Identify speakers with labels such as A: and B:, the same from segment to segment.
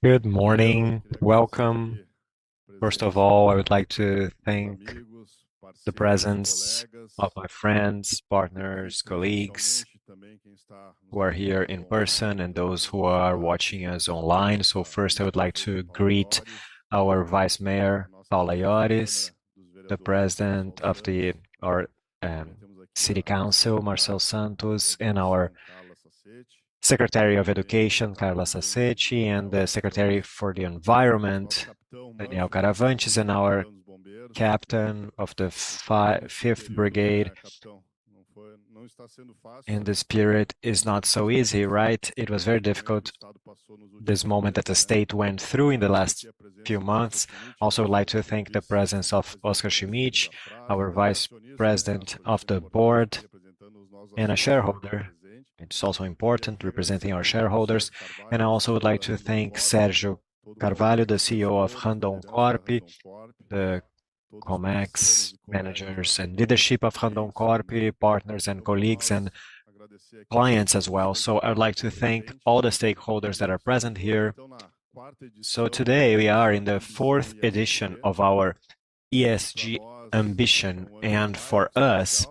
A: Good morning. Welcome. First of all, I would like to thank the presence of my friends, partners, colleagues, who are here in person, and those who are watching us online. So first, I would like to greet our Vice Mayor, Paula Ioris, the President of our City Council, Marisol Santos, and our Secretary of Education, Carla Sassetti, and the Secretary for the Environment, Daniel Caravantes, and our captain of the Fifth Brigade, and this period is not so easy, right? It was very difficult, this moment that the state went through in the last few months. I also would like to thank the presence of Oscar Schmidt, our vice president of the board, and a shareholder. It is also important representing our shareholders. I also would like to thank Sérgio Carvalho, the CEO of Randoncorp, the Comex managers and leadership of Randoncorp, partners and colleagues, and clients as well. I would like to thank all the stakeholders that are present here. Today, we are in the fourth edition of our ESG ambition, and for us,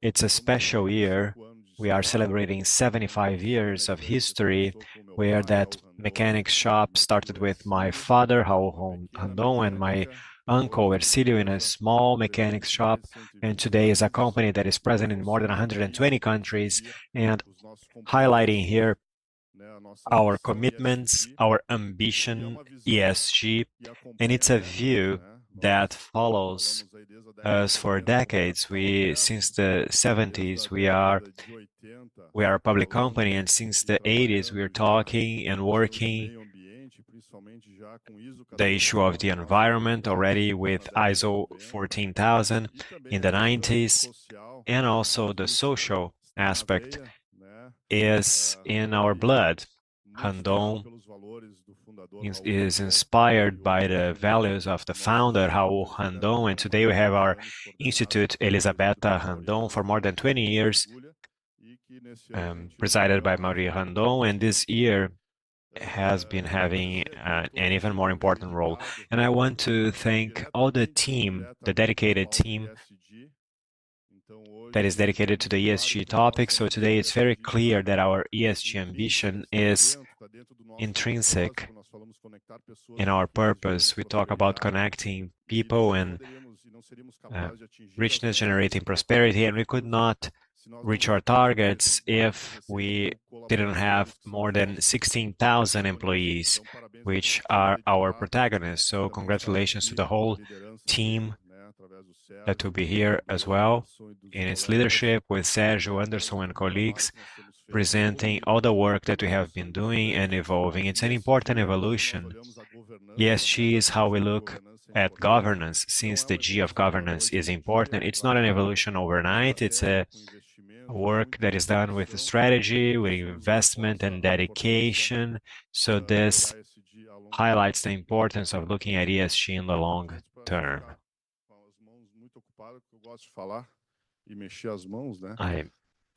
A: it's a special year. We are celebrating 75 years of history, where that mechanic shop started with my father, Raul Randon, and my uncle, Hercílio, in a small mechanics shop, and today is a company that is present in more than 120 countries. Highlighting here our commitments, our ambition, ESG, and it's a view that follows us for decades. Since the '70s, we are a public company, and since the '80s, we are talking and working the issue of the environment already with ISO 14000 in the '90s, and also the social aspect is in our blood. Randon is inspired by the values of the founder, Raul Randon, and today we have our Instituto Elisabetha Randon, for more than 20 years, presided by Maria Randon, and this year has been having an even more important role. I want to thank all the team, the dedicated team, that is dedicated to the ESG topic. Today, it's very clear that our ESG ambition is intrinsic in our purpose. We talk about connecting people and richness, generating prosperity, and we could not reach our targets if we didn't have more than 16,000 employees, which are our protagonists. So congratulations to the whole team that will be here as well, in its leadership with Sérgio, Anderson, and colleagues, presenting all the work that we have been doing and evolving. It's an important evolution. ESG is how we look at governance, since the G of governance is important. It's not an evolution overnight, it's a work that is done with strategy, with investment and dedication, so this highlights the importance of looking at ESG in the long term.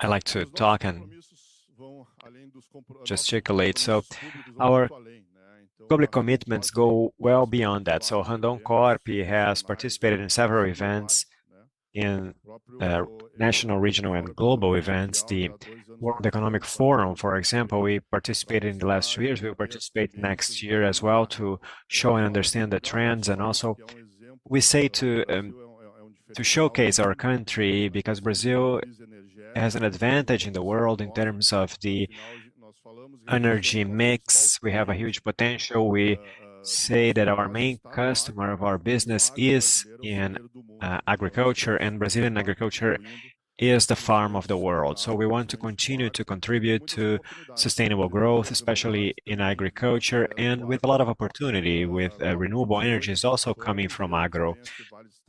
A: I like to talk and gesticulate. So our public commitments go well beyond that. So Randoncorp has participated in several events, in national, regional, and global events. The World Economic Forum, for example, we participated in the last two years. We will participate next year as well to show and understand the trends. We say to showcase our country, because Brazil has an advantage in the world in terms of the energy mix. We have a huge potential. We say that our main customer of our business is in agriculture, and Brazilian agriculture is the farm of the world. We want to continue to contribute to sustainable growth, especially in agriculture, and with a lot of opportunity with renewable energy also coming from agro.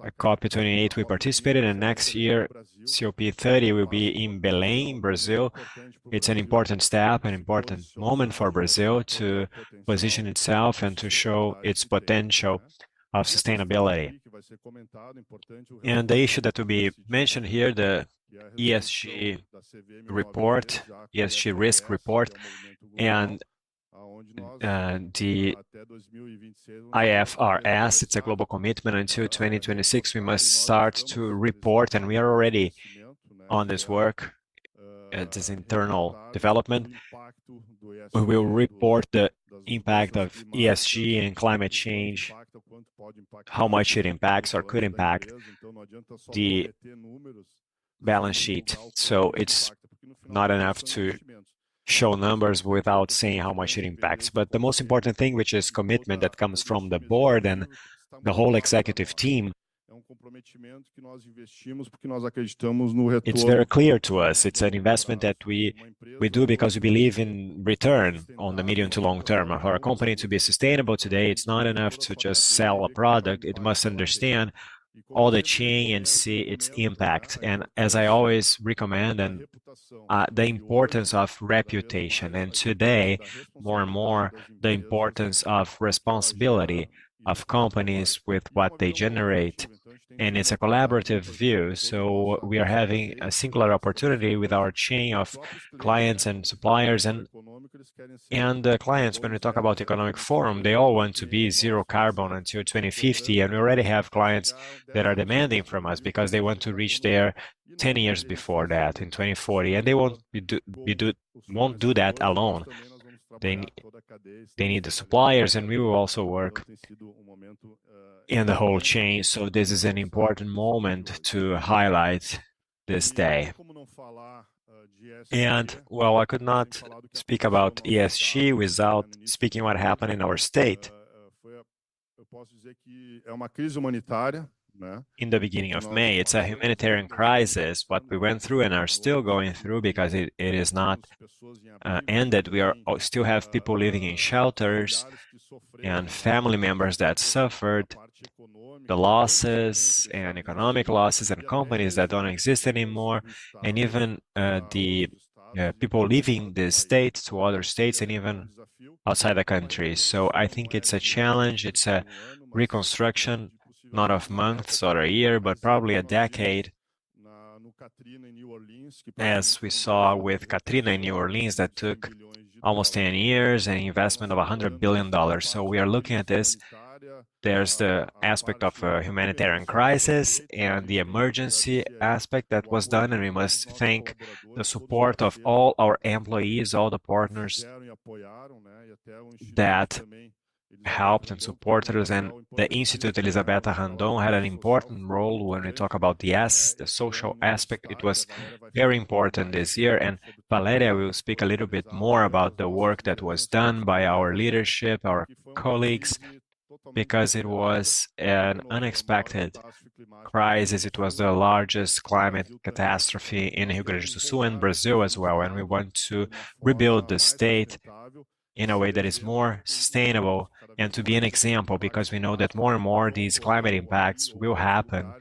A: At COP 28, we participated, and next year, COP 30 will be in Belém, Brazil. It's an important step, an important moment for Brazil to position itself and to show its potential of sustainability. The issue that will be mentioned here, the ESG report, ESG risk report, and the IFRS, it's a global commitment. Until 2026, we must start to report, and we are already on this work, this internal development. We will report the impact of ESG and climate change, how much it impacts or could impact the balance sheet, so it's not enough to show numbers without seeing how much it impacts, but the most important thing, which is commitment that comes from the board and the whole executive team, it's very clear to us. It's an investment that we do because we believe in return on the medium to long term, and for a company to be sustainable today, it's not enough to just sell a product. It must understand all the chain and see its impact, and as I always recommend, and the importance of reputation and today, more and more, the importance of responsibility of companies with what they generate. And it's a collaborative view, so we are having a singular opportunity with our chain of clients and suppliers. And clients, when we talk about economic forum, they all want to be zero carbon until 2050, and we already have clients that are demanding from us because they want to reach there 10 years before that, in 2040. And they won't do that alone. They need the suppliers, and we will also work in the whole chain, so this is an important moment to highlight this day. Well, I could not speak about ESG without speaking what happened in our state in the beginning of May. It's a humanitarian crisis, what we went through and are still going through, because it is not ended. We still have people living in shelters and family members that suffered the losses and economic losses, and companies that don't exist anymore, and even the people leaving the state to other states and even outside the country. I think it's a challenge, it's a reconstruction, not of months or a year, but probably a decade, as we saw with Katrina in New Orleans, that took almost 10 years and investment of $100 billion. We are looking at this. There's the aspect of a humanitarian crisis and the emergency aspect that was done, and we must thank the support of all our employees, all the partners that helped and supported us. The Instituto Elisabetha Randon had an important role when we talk about the S, the social aspect. It was very important this year, and Valéria will speak a little bit more about the work that was done by our leadership, our colleagues, because it was an unexpected crisis. It was the largest climate catastrophe in Rio Grande do Sul and Brazil as well, and we want to rebuild the state in a way that is more sustainable and to be an example. Because we know that more and more these climate impacts will happen,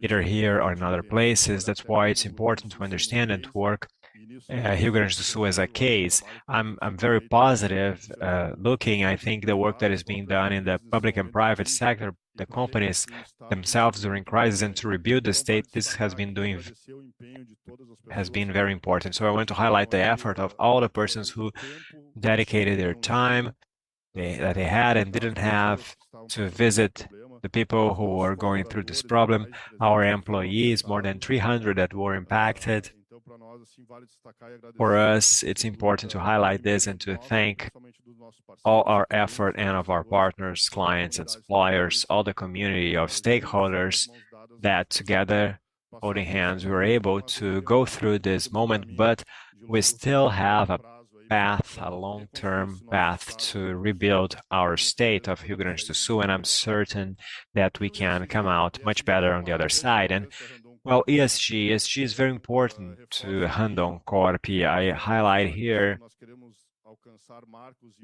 A: either here or in other places. That's why it's important to understand and to work Rio Grande do Sul as a case. I'm very positive looking. I think the work that is being done in the public and private sector, the companies themselves during crisis and to rebuild the state, this has been very important. I want to highlight the effort of all the persons who dedicated their time, the time that they had and didn't have, to visit the people who were going through this problem. Our employees, more than 300 that were impacted. For us, it's important to highlight this and to thank all our effort and of our partners, clients and suppliers, all the community of stakeholders, that together, holding hands, we were able to go through this moment. We still have a path, a long-term path, to rebuild our state of Rio Grande do Sul, and I'm certain that we can come out much better on the other side. ESG, ESG is very important to Randoncorp. I highlight here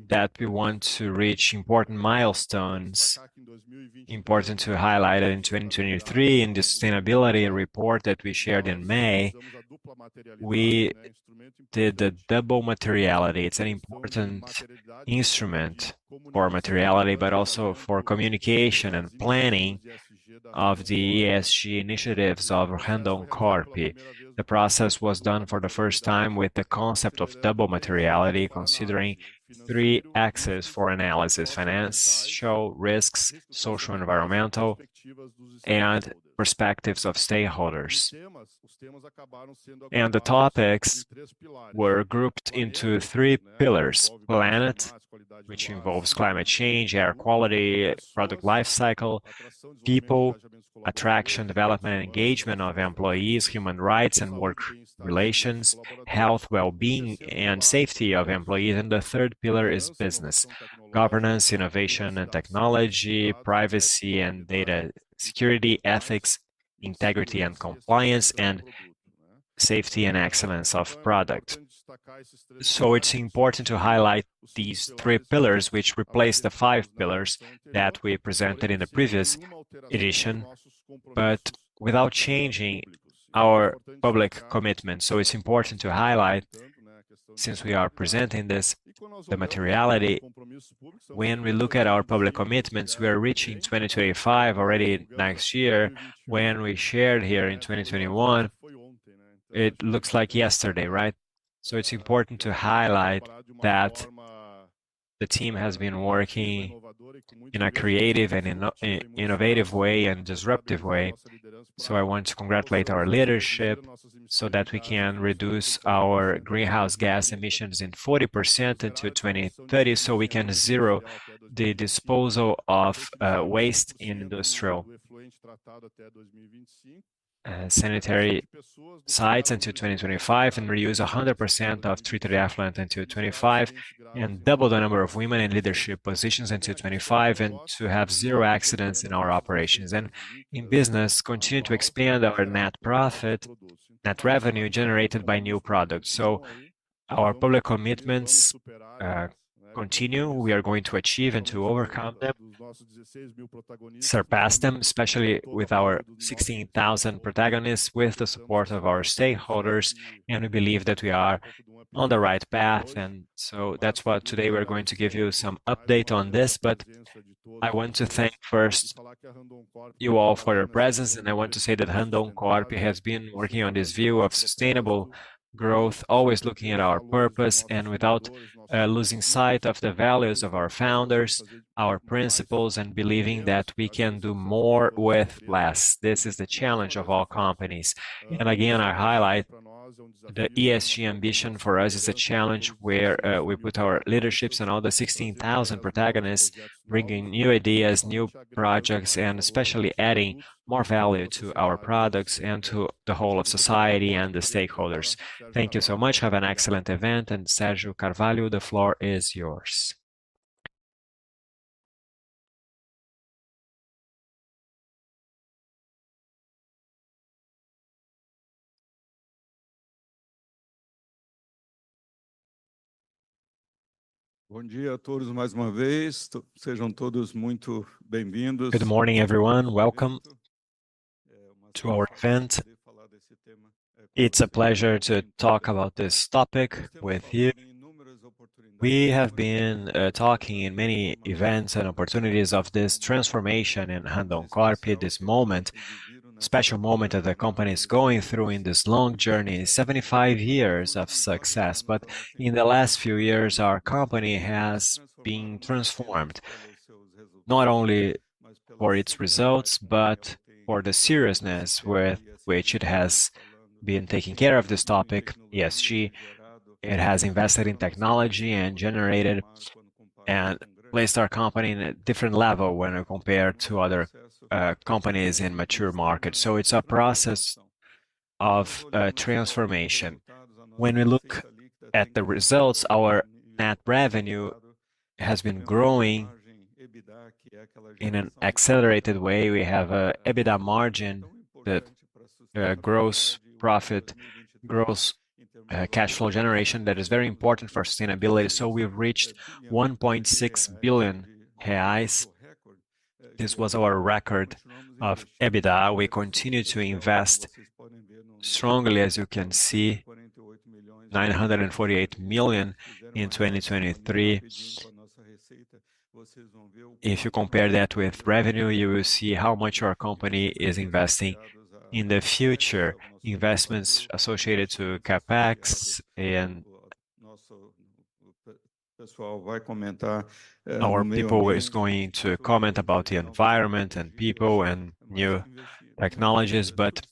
A: that we want to reach important milestones. Important to highlight in 2023, in the sustainability report that we shared in May, we did the double materiality. It's an important instrument for materiality, but also for communication and planning of the ESG initiatives of Randoncorp. The process was done for the first time with the concept of double materiality, considering three axes for analysis: financial risks, social, environmental, and perspectives of stakeholders, and the topics were grouped into three pillars: planet, which involves climate change, air quality, product life cycle, people, attraction, development, engagement of employees, human rights and work relations, health, well-being, and safety of employees, and the third pillar is business, governance, innovation and technology, privacy and data security, ethics, integrity and compliance, and safety and excellence of product, so it's important to highlight these three pillars, which replaced the five pillars that we presented in the previous edition, but without changing our public commitment, so it's important to highlight, since we are presenting this, the materiality. When we look at our public commitments, we are reaching 2025 already next year. When we shared here in 2021, it looks like yesterday, right? So it's important to highlight that the team has been working in a creative and innovative way and disruptive way, so I want to congratulate our leadership, so that we can reduce our greenhouse gas emissions in 40% until 2030, so we can zero the disposal of waste in industrial sanitary sites until 2025, and reuse 100% of treated effluent until 2025, and double the number of women in leadership positions until 2025, and to have zero accidents in our operations. And in business, continue to expand our net profit, net revenue generated by new products. So our public commitments continue. We are going to achieve and to overcome them, surpass them, especially with our 16,000 protagonists, with the support of our stakeholders, and we believe that we are on the right path, and so that's why today we're going to give you some update on this. But I want to thank first you all for your presence, and I want to say that Randoncorp has been working on this view of sustainable growth, always looking at our purpose, and without losing sight of the values of our founders, our principles, and believing that we can do more with less. This is the challenge of all companies. Again, I highlight the ESG ambition for us is a challenge where we put our leaderships and all the 16,000 protagonists, bringing new ideas, new projects, and especially adding more value to our products and to the whole of society and the stakeholders. Thank you so much. Have an excellent event, and Sérgio Carvalho, the floor is yours.
B: Good morning, everyone. Welcome to our event. It's a pleasure to talk about this topic with you. We have been talking in many events and opportunities of this transformation in Randoncorp, this moment, special moment that the company is going through in this long journey, 75 years of success. But in the last few years, our company has been transformed, not only for its results, but for the seriousness with which it has been taking care of this topic, ESG. It has invested in technology and generated and placed our company in a different level when compared to other companies in mature markets. So it's a process of transformation. When we look at the results, our net revenue has been growing in an accelerated way. We have an EBITDA margin, gross profit, cash flow generation, that is very important for sustainability, so we've reached 1.6 billion reais. This was our record of EBITDA. We continued to invest strongly, as you can see, 948 million in 2023. If you compare that with revenue, you will see how much our company is investing in the future, investments associated to CapEx and. Our people is going to comment about the environment, and people, and new technologies, but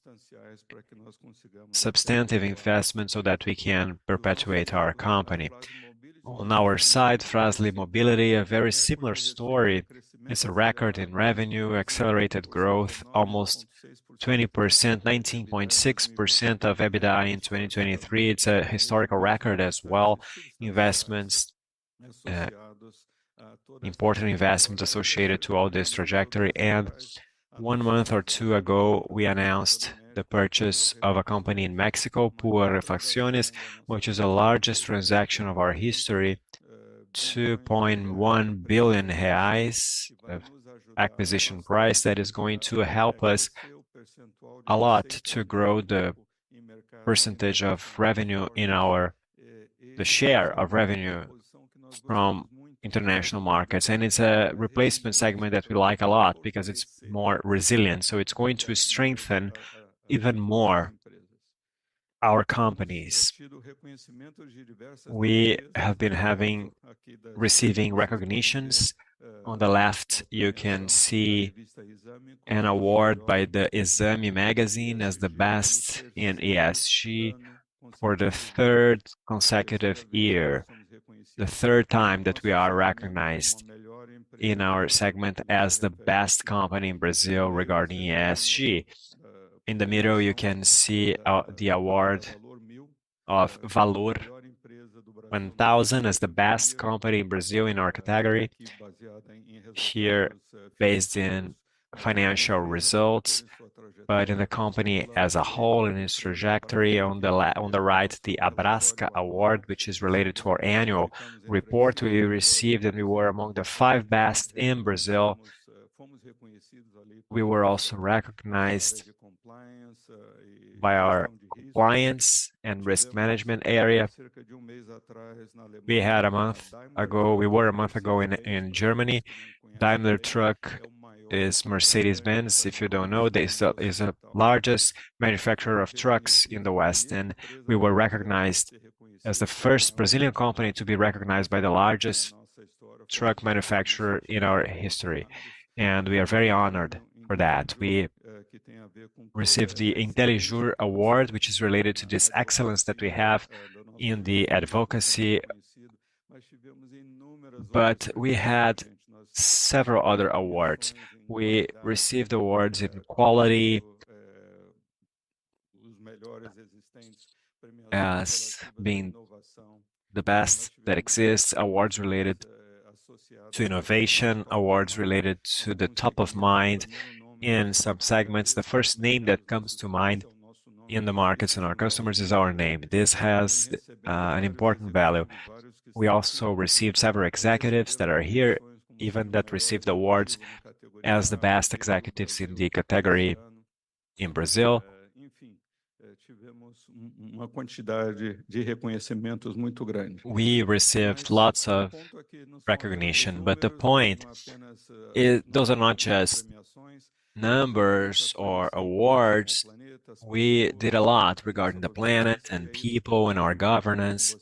B: substantive investments so that we can perpetuate our company. On our side, Fras-le Mobility, a very similar story. It's a record in revenue, accelerated growth, almost 20%, 19.6% EBITDA in 2023. It's a historical record as well. Investments, important investments associated to all this trajectory. And one month or two ago, we announced the purchase of a company in Mexico, KUO Refacciones, which is the largest transaction of our history, 2.1 billion reais acquisition price. That is going to help us a lot to grow the percentage of revenue in our, the share of revenue from international markets. And it's a replacement segment that we like a lot because it's more resilient, so it's going to strengthen even more our companies. We have been receiving recognitions. On the left, you can see an award by the Exame magazine as the best in ESG for the third consecutive year, the third time that we are recognized in our segment as the best company in Brazil regarding ESG. In the middle, you can see the award of Valor 1000 as the best company in Brazil in our category. Here, based on financial results, but in the company as a whole, in its trajectory. On the right, the Abrasca award, which is related to our annual report we received, and we were among the five best in Brazil. We were also recognized by our clients and risk management area. We were a month ago in Germany. Daimler Truck is Mercedes-Benz. If you don't know, they sell is the largest manufacturer of trucks in the West, and we were recognized as the first Brazilian company to be recognized by the largest truck manufacturer in our history, and we are very honored for that. We received the Intelijur award, which is related to this excellence that we have in the advocacy, but we had several other awards. We received awards in quality, as being the best that exists, awards related to innovation, awards related to the top of mind in some segments. The first name that comes to mind in the markets and our customers is our name. This has an important value. We also received several executives that are here, even that received awards as the best executives in the category. In Brazil, we received lots of recognition, but the point is, those are not just numbers or awards. We did a lot regarding the planet, and people, and our governance,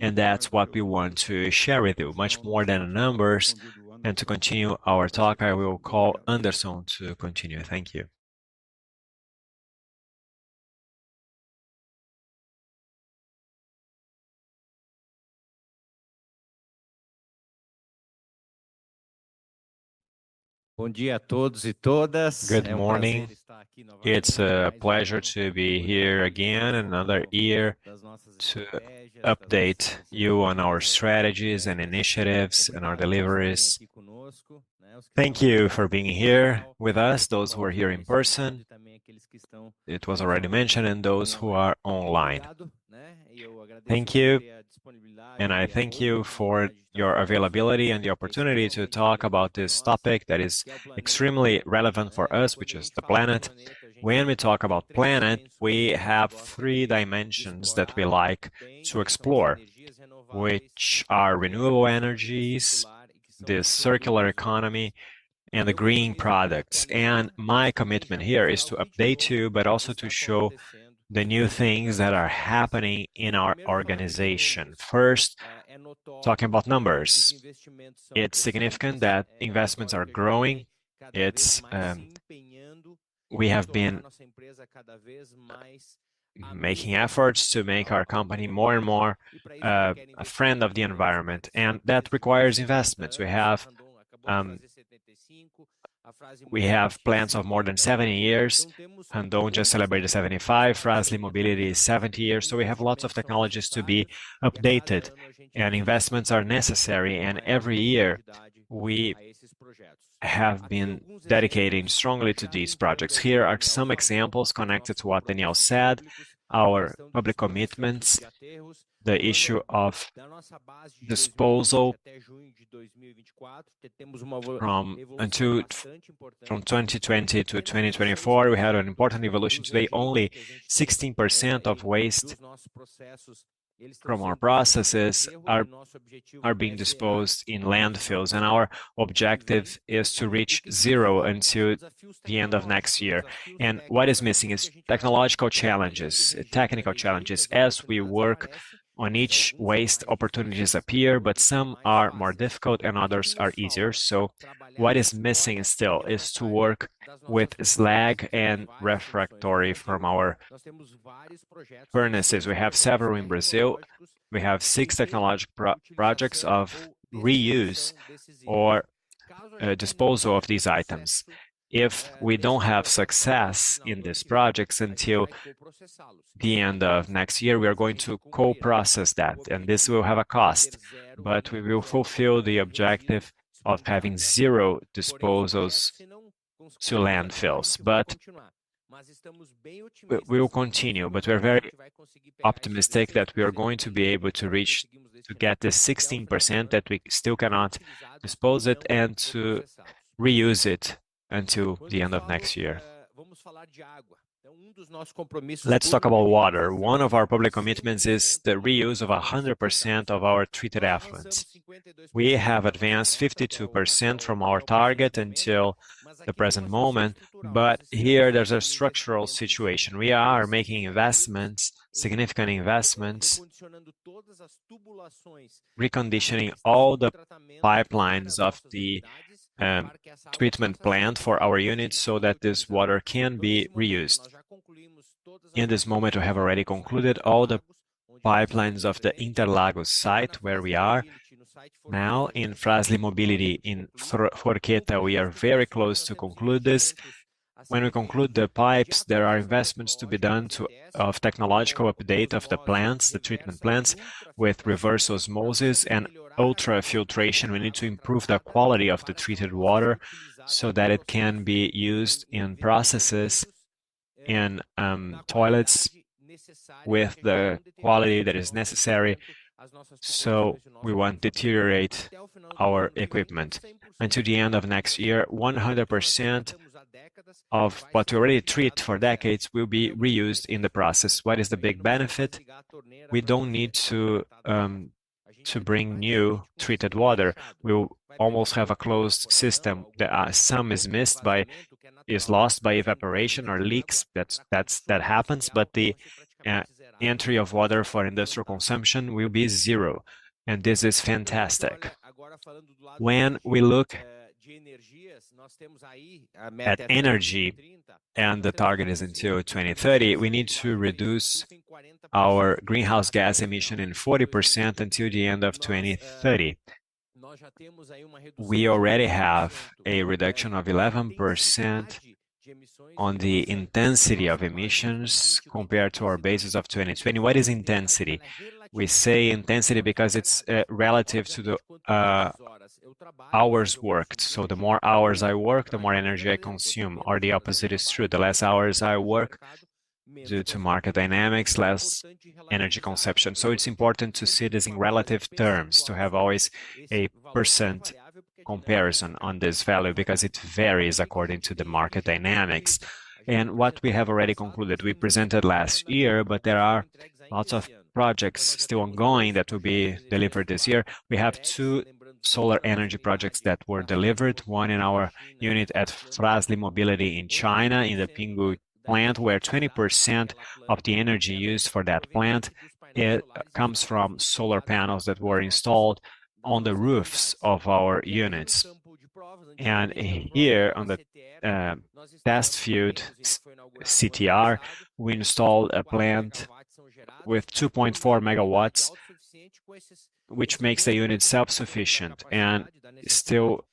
B: and that's what we want to share with you, much more than the numbers, and to continue our talk, I will call Anderson to continue. Thank you.
C: Good morning. It's a pleasure to be here again, another year, to update you on our strategies, and initiatives, and our deliveries. Thank you for being here with us, those who are here in person, it was already mentioned, and those who are online. Thank you, and I thank you for your availability and the opportunity to talk about this topic that is extremely relevant for us, which is the planet. When we talk about planet, we have three dimensions that we like to explore, which are renewable energies, the circular economy, and the green products. My commitment here is to update you, but also to show the new things that are happening in our organization. First, talking about numbers, it's significant that investments are growing. It's. We have been making efforts to make our company more and more a friend of the environment, and that requires investments. We have plans of more than 70 years, and don't just celebrate the 75. Fras-le Mobility is 70 years, so we have lots of technologies to be updated, and investments are necessary, and every year, we have been dedicating strongly to these projects. Here are some examples connected to what Daniel said. Our public commitments, the issue of disposal from 2020 to 2024, we had an important evolution. Today, only 16% of waste from our processes are being disposed in landfills, and our objective is to reach zero until the end of next year, and what is missing is technological challenges, technical challenges. As we work on each waste, opportunities appear, but some are more difficult and others are easier, so what is missing still is to work with slag and refractory from our furnaces. We have several in Brazil. We have six technological projects of reuse or disposal of these items. If we don't have success in these projects until the end of next year, we are going to co-process that, and this will have a cost, but we will fulfill the objective of having zero disposals to landfills. But. We will continue, but we're very optimistic that we are going to be able to reach to get the 16% that we still cannot dispose it and to reuse it until the end of next year. Let's talk about water. One of our public commitments is the reuse of 100% of our treated effluents. We have advanced 52% from our target until the present moment, but here, there's a structural situation. We are making investments, significant investments, reconditioning all the pipelines of the treatment plant for our units, so that this water can be reused. In this moment, we have already concluded all the pipelines of the Interlagos site, where we are now. In Fras-le Mobility in Forqueta, we are very close to conclude this. When we conclude the pipes, there are investments to be done to of technological update of the plants, the treatment plants, with reverse osmosis and ultrafiltration. We need to improve the quality of the treated water, so that it can be used in processes, in toilets with the quality that is necessary, so we won't deteriorate our equipment. Until the end of next year, 100% of what we already treat for decades will be reused in the process. What is the big benefit? We don't need to bring new treated water. We'll almost have a closed system. There are some is lost by evaporation or leaks. That happens, but the entry of water for industrial consumption will be zero, and this is fantastic. When we look at energy, and the target is until 2030, we need to reduce our greenhouse gas emission in 40% until the end of 2030. We already have a reduction of 11% on the intensity of emissions compared to our basis of 2020. What is intensity? We say intensity because it's relative to the hours worked. So the more hours I work, the more energy I consume, or the opposite is true. The less hours I work due to market dynamics, less energy consumption. So it's important to see this in relative terms, to have always a % comparison on this value, because it varies according to the market dynamics. And what we have already concluded, we presented last year, but there are lots of projects still ongoing that will be delivered this year. We have two solar energy projects that were delivered, one in our unit at Fras-le Mobility in China, in the Pinghu plant, where 20% of the energy used for that plant, it comes from solar panels that were installed on the roofs of our units. And here, on the test field, CTR, we installed a plant with 2.4 MW, which makes the unit self-sufficient, and still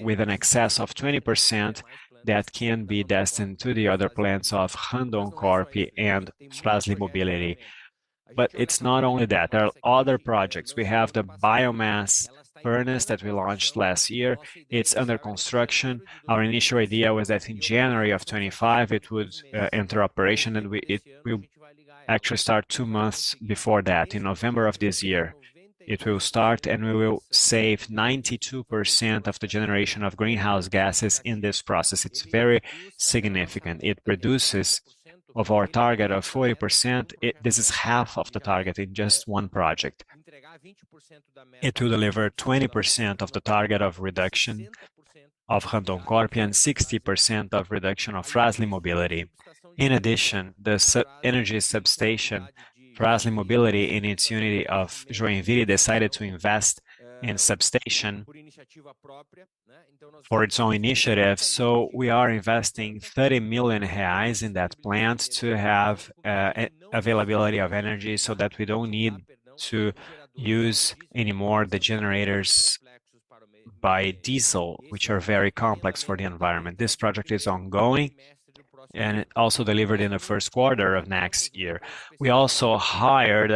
C: with an excess of 20% that can be destined to the other plants of Randoncorp and Fras-le Mobility. But it's not only that, there are other projects. We have the biomass furnace that we launched last year. It's under construction. Our initial idea was that in January of 2025, it would enter operation, and it will actually start two months before that. In November of this year, it will start, and we will save 92% of the generation of greenhouse gases in this process. It's very significant. It reduces of our target of 40%, it. This is half of the target in just one project. It will deliver 20% of the target of reduction of Randoncorp, and 60% of reduction of Fras-le Mobility. In addition, the substation. Energy substation, Fras-le Mobility, in its unit of Joinville, decided to invest in substation for its own initiative. So we are investing 30 million reais in that plant to have availability of energy, so that we don't need to use any more the generators by diesel, which are very complex for the environment. This project is ongoing, and also delivered in the first quarter of next year. We also hired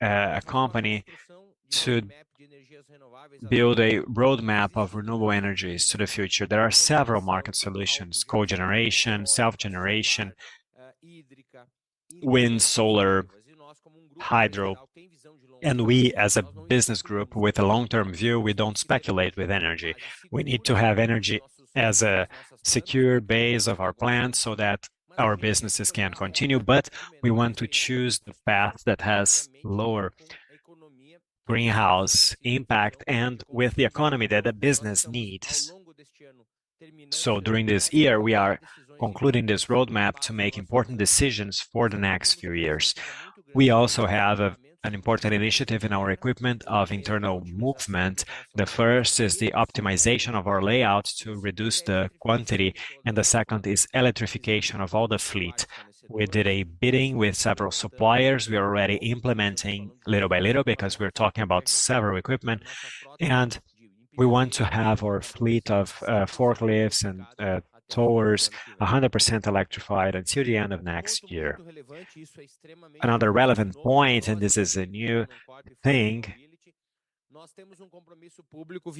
C: a company to build a roadmap of renewable energies to the future. There are several market solutions: cogeneration, self-generation, wind, solar, hydro. And we, as a business group with a long-term view, we don't speculate with energy. We need to have energy as a secure base of our plant so that our businesses can continue, but we want to choose the path that has lower greenhouse impact and with the economy that the business needs. So during this year, we are concluding this roadmap to make important decisions for the next few years. We also have an important initiative in our equipment of internal movement. The first is the optimization of our layout to reduce the quantity, and the second is electrification of all the fleet. We did a bidding with several suppliers. We are already implementing little by little, because we're talking about several equipment, and we want to have our fleet of, forklifts and, towers, 100% electrified until the end of next year. Another relevant point, and this is a new thing,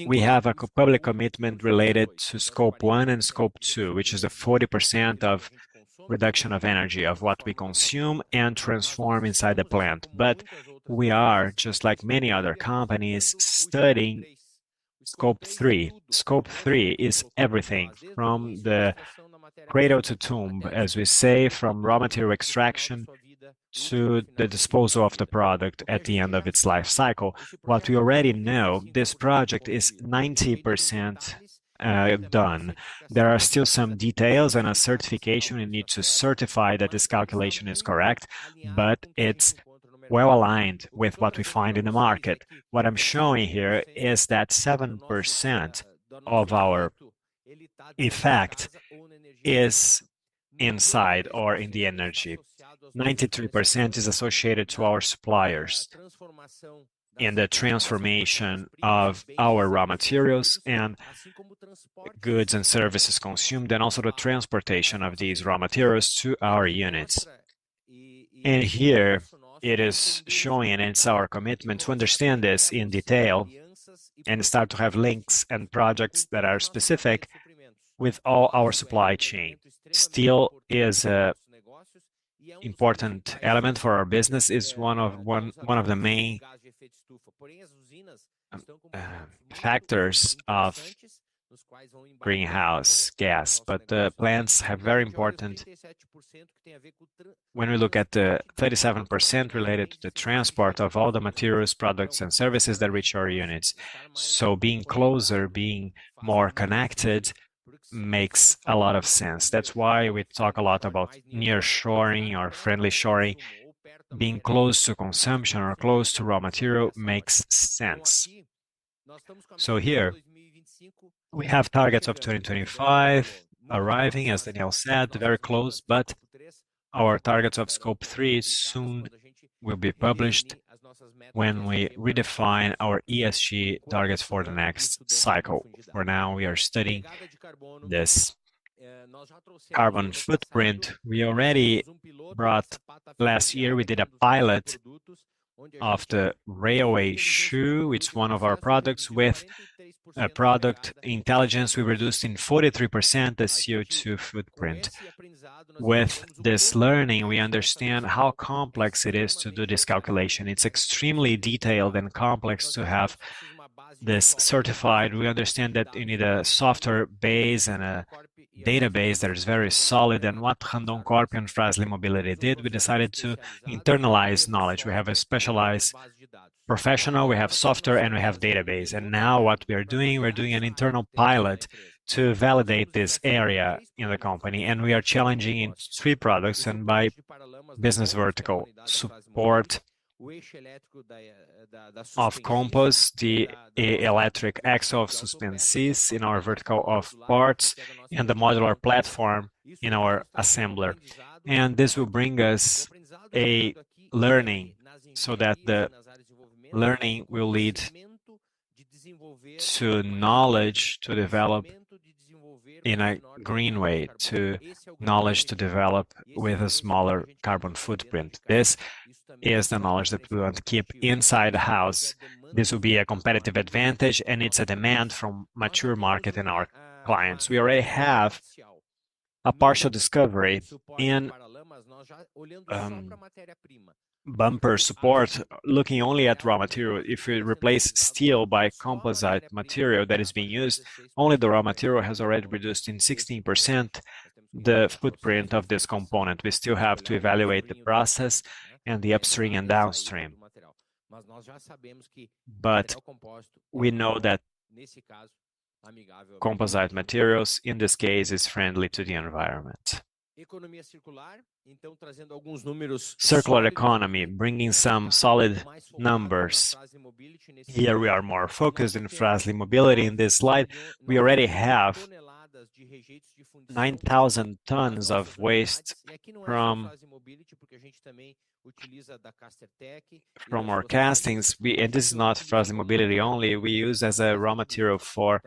C: we have a public commitment related to Scope 1 and Scope 2, which is the 40% of reduction of energy, of what we consume and transform inside the plant. But we are, just like many other companies, studying Scope 3. Scope 3 is everything, from the cradle to tomb, as we say, from raw material extraction to the disposal of the product at the end of its life cycle. What we already know, this project is 90%, done. There are still some details and a certification. We need to certify that this calculation is correct, but it's well-aligned with what we find in the market. What I'm showing here is that 7% of our effect is inside or in the energy. 93% is associated to our suppliers, in the transformation of our raw materials and goods and services consumed, and also the transportation of these raw materials to our units. And here, it is showing, and it's our commitment to understand this in detail, and start to have links and projects that are specific with all our supply chain. Steel is an important element for our business. It's one of the main factors of greenhouse gas. But plants have very important. When we look at the 37% related to the transport of all the materials, products, and services that reach our units, so being closer, being more connected, makes a lot of sense. That's why we talk a lot about nearshoring or friendshoring. Being close to consumption or close to raw material makes sense. So here, we have targets of 2025 arriving, as Daniel said, very close, but our targets of Scope 3 soon will be published when we redefine our ESG targets for the next cycle. For now, we are studying this carbon footprint. We already brought. Last year, we did a pilot of the railway shoe, it's one of our products. With product intelligence, we reduced in 43% the CO2 footprint. With this learning, we understand how complex it is to do this calculation. It's extremely detailed and complex to have this certified. We understand that you need a software base and a database that is very solid. What Randoncorp and Fras-le Mobility did, we decided to internalize knowledge. We have a specialized professional, we have software, and we have database. Now what we are doing, we're doing an internal pilot to validate this area in the company, and we are challenging three products, and by business vertical: support of components, the electric axle of suspensions in our vertical of parts, and the modular platform in our assembler. This will bring us a learning so that the learning will lead to knowledge to develop in a green way, to knowledge to develop with a smaller carbon footprint. This is the knowledge that we want to keep inside the house. This will be a competitive advantage, and it's a demand from mature market and our clients. We already have a partial discovery in bumper support. Looking only at raw material, if we replace steel by composite material that is being used, only the raw material has already reduced in 16% the footprint of this component. We still have to evaluate the process and the upstream and downstream. But we know that composite materials, in this case, is friendly to the environment. Circular economy, bringing some solid numbers. Here, we are more focused in Fras-le Mobility. In this slide, we already have 9,000 tons of waste from our castings, and this is not Fras-le Mobility only, we use as a raw material for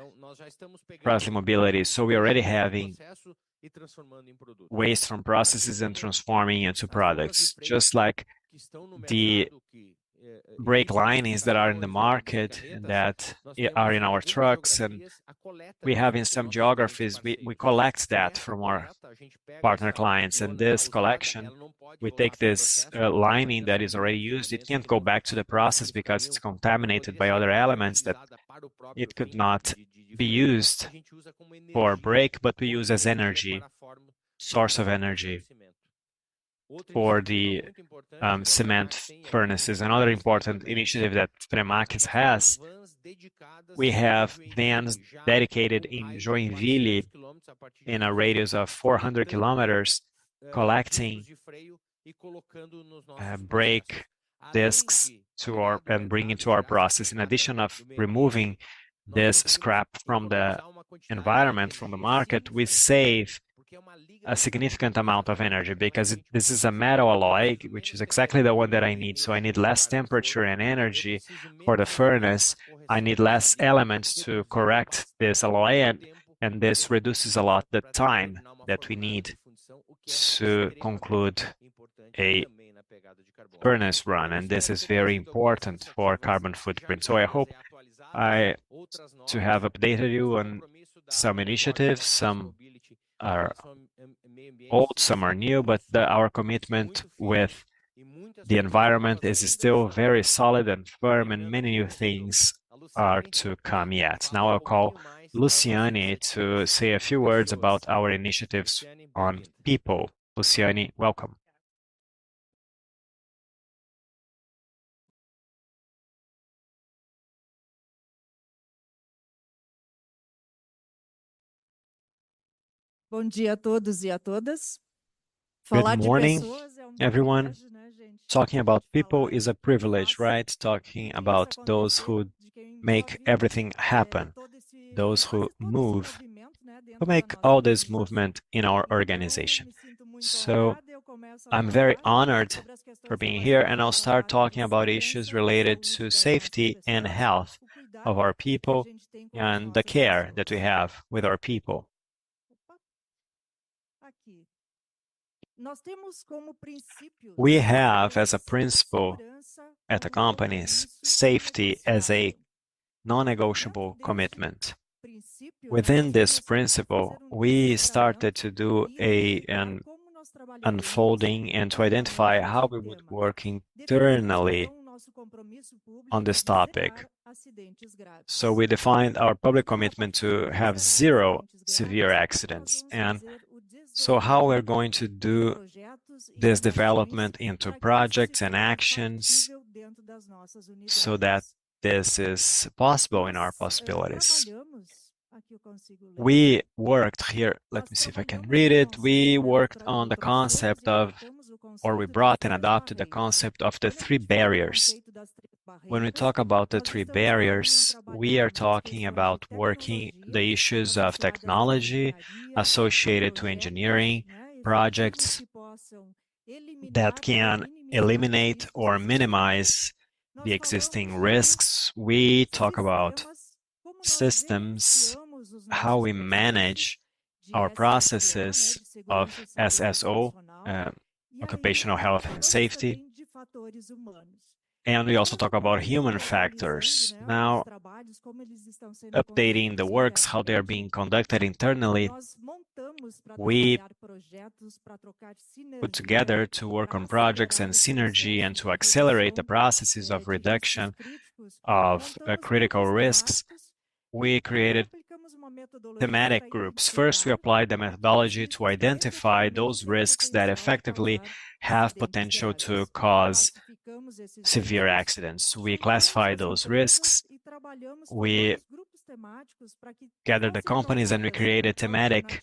C: Fras-le Mobility. So we're already having waste from processes and transforming into products, just like the brake linings that are in the market, that are in our trucks. We have in some geographies, we collect that from our partner clients. This collection, we take this lining that is already used, it can't go back to the process because it's contaminated by other elements that it could not be used for brake, but we use as energy source of energy for the cement furnaces. Another important initiative that Fremax has, we have vans dedicated in Joinville, in a radius of 400 kilometers, collecting brake discs and bringing to our process. In addition of removing this scrap from the environment, from the market, we save a significant amount of energy, because it. This is a metal alloy, which is exactly the one that I need, so I need less temperature and energy for the furnace. I need less elements to correct this alloy, and this reduces a lot the time that we need to conclude a furnace run, and this is very important for carbon footprint. So I hope to have updated you on some initiatives. Some are old, some are new, but the, our commitment with the environment is still very solid and firm, and many new things are to come yet. Now, I'll call Luciane to say a few words about our initiatives on people. Luciane, welcome.
A: Good morning, everyone. Talking about people is a privilege, right? Talking about those who make everything happen, those who move, who make all this movement in our organization. So I'm very honored for being here, and I'll start talking about issues related to safety and health of our people, and the care that we have with our people. We have, as a principle at the companies, safety as a non-negotiable commitment. Within this principle, we started to do an unfolding and to identify how we would work internally on this topic. So we defined our public commitment to have zero severe accidents. And so how we're going to do this development into projects and actions, so that this is possible in our possibilities? We worked. Here, let me see if I can read it. We worked on the concept of, or we brought and adopted the concept of the three barriers. When we talk about the three barriers, we are talking about working the issues of technology associated to engineering, projects that can eliminate or minimize the existing risks. We talk about systems, how we manage our processes of SSO, occupational health and safety, and we also talk about human factors. Now, updating the works, how they are being conducted internally, we put together to work on projects and synergy, and to accelerate the processes of reduction of critical risks. We created thematic groups. First, we applied the methodology to identify those risks that effectively have potential to cause severe accidents. We classify those risks, we gather the companies, and we create a thematic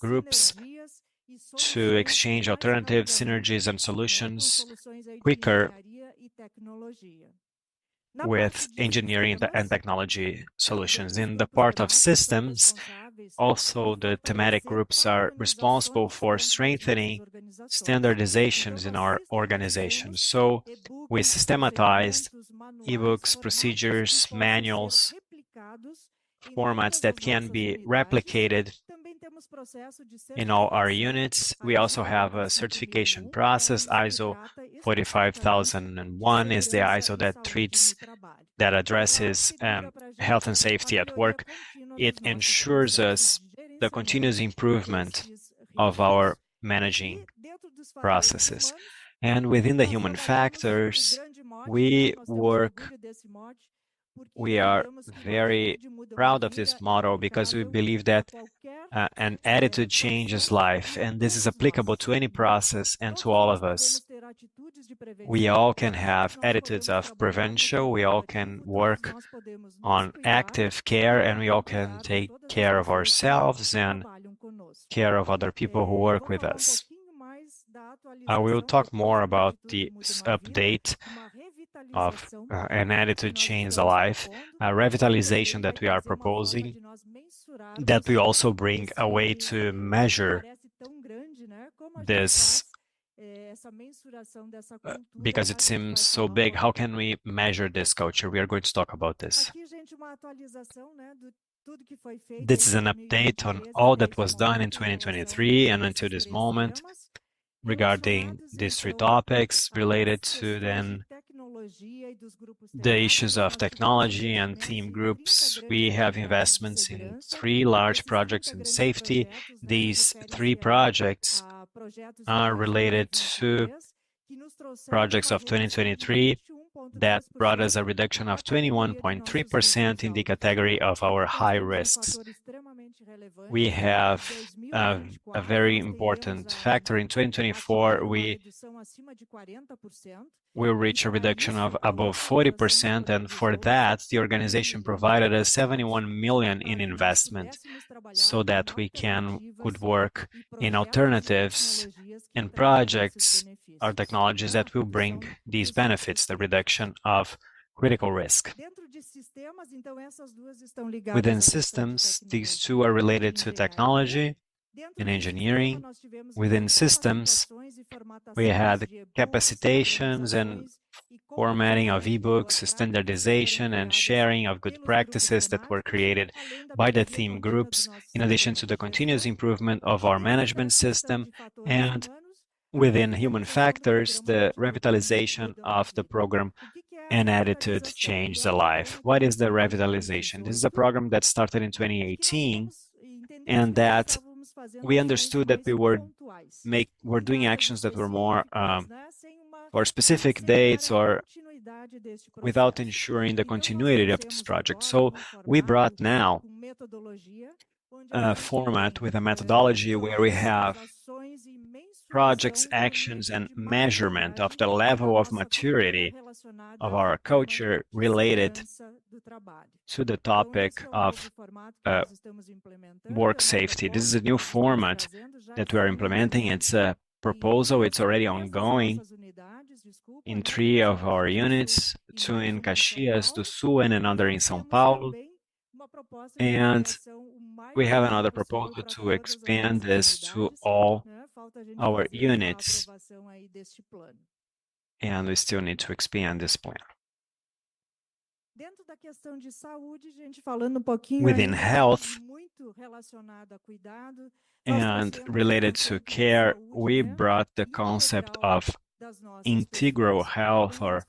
A: groups to exchange alternative synergies and solutions quicker with engineering and technology solutions. In the part of systems, also, the thematic groups are responsible for strengthening standardizations in our organization. So we systematized e-books, procedures, manuals, formats that can be replicated in all our units. We also have a certification process. ISO 45001 is the ISO that addresses health and safety at work. It ensures us the continuous improvement of our managing processes. And within the human factors, we work. We are very proud of this model because we believe that, an attitude changes life, and this is applicable to any process and to all of us. We all can have attitudes of prevention, we all can work on active care, and we all can take care of ourselves and care of other people who work with us. I will talk more about the update of, an attitude changes a life, a revitalization that we are proposing, that we also bring a way to measure this, because it seems so big. How can we measure this culture? We are going to talk about this. This is an update on all that was done in 2023 and until this moment, regarding these three topics related to then the issues of technology and theme groups. We have investments in three large projects in safety. These three projects are related to projects of 2023 that brought us a reduction of 21.3% in the category of our high risks. We have a very important factor. In 2024, we'll reach a reduction of above 40%, and for that, the organization provided us 71 million in investment, so that we would work in alternatives, in projects or technologies that will bring these benefits, the reduction of critical risk. Within systems, these two are related to technology and engineering. Within systems, we had capacitations and formatting of e-books, standardization, and sharing of good practices that were created by the theme groups, in addition to the continuous improvement of our management system, and within human factors, the revitalization of the program, "An Attitude Changes a Life." What is the revitalization? This is a program that started in 2018, and that we understood that we were doing actions that were more for specific dates or without ensuring the continuity of this project. So we brought now a format with a methodology where we have projects, actions, and measurement of the level of maturity of our culture related to the topic of work safety. This is a new format that we are implementing. It's a proposal. It's already ongoing in three of our units, two in Caxias do Sul, and another in São Paulo, and we have another proposal to expand this to all our units, and we still need to expand this plan. Within health and related to care, we brought the concept of integral health or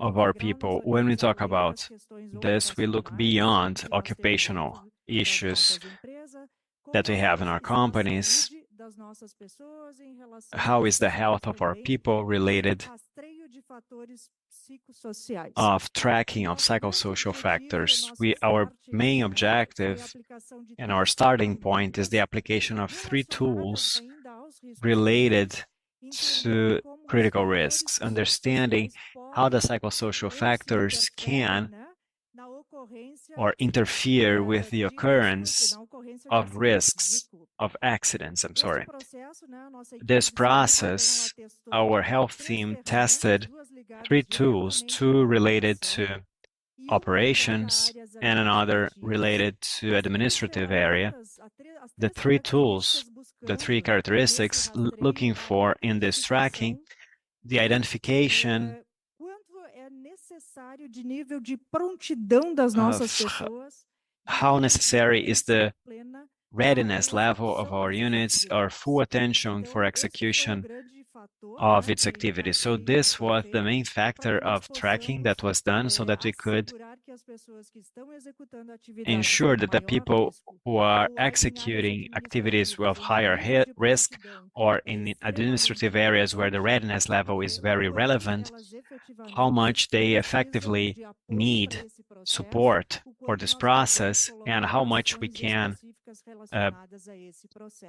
A: of our people. When we talk about this, we look beyond occupational issues that we have in our companies. How is the health of our people related to tracking of psychosocial factors? We. Our main objective and our starting point is the application of three tools related to critical risks, understanding how the psychosocial factors can or interfere with the occurrence of risks, of accidents, I'm sorry. This process, our health team tested three tools, two related to operations and another related to administrative area. The three tools, the three characteristics looking for in this tracking, the identification of how necessary is the readiness level of our units, or full attention for execution of its activities. This was the main factor of tracking that was done, so that we could ensure that the people who are executing activities with higher high-risk or in administrative areas where the readiness level is very relevant, how much they effectively need support for this process, and how much we can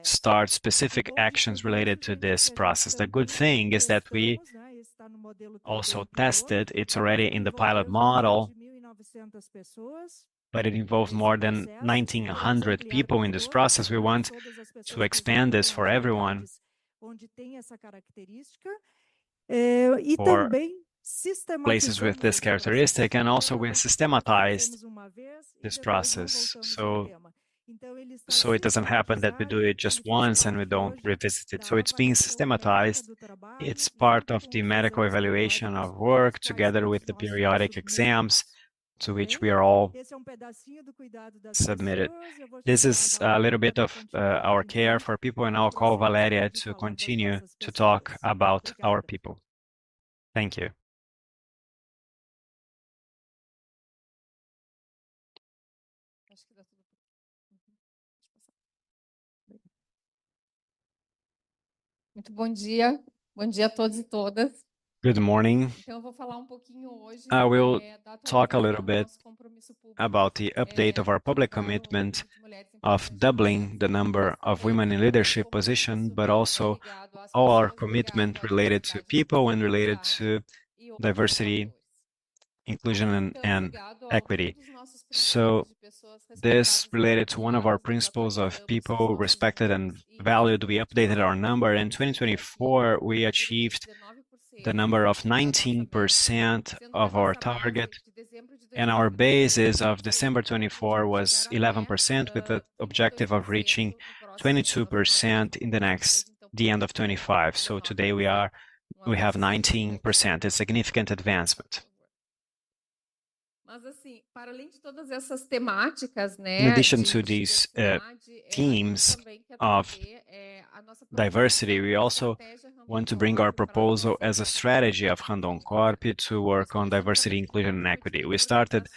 A: start specific actions related to this process. The good thing is that we also tested; it's already in the pilot model, but it involves more than 1,900 people in this process. We want to expand this for everyone, for places with this characteristic, and also we've systematized this process, so it doesn't happen that we do it just once and we don't revisit it. So it's being systematized. It's part of the medical evaluation of work, together with the periodic exams to which we are all submitted. This is a little bit of our care for people, and I'll call Valéria to continue to talk about our people. Thank you. Good morning. I will talk a little bit about the update of our public commitment of doubling the number of women in leadership position, but also all our commitment related to people and related to diversity, inclusion, and equity. So this related to one of our principles of people respected and valued, we updated our number. In 2024, we achieved the number of 19% of our target, and our base as of December 2024 was 11%, with the objective of reaching 22% in the next, the end of 2025. So today we have 19%, a significant advancement. In addition to these, themes of diversity, we also want to bring our proposal as a strategy of Randoncorp to work on diversity, inclusion, and equity. We started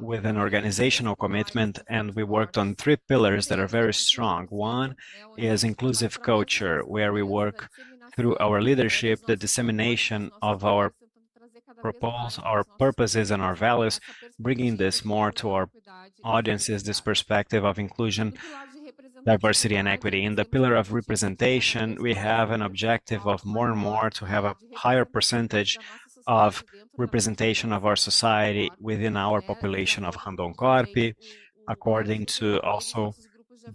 A: with an organizational commitment, and we worked on three pillars that are very strong. One is inclusive culture, where we work through our leadership, the dissemination of our proposals, our purposes, and our values, bringing this more to our audiences, this perspective of inclusion, diversity, and equity. In the pillar of representation, we have an objective of more and more to have a higher percentage of representation of our society within our population of Randoncorp, according to also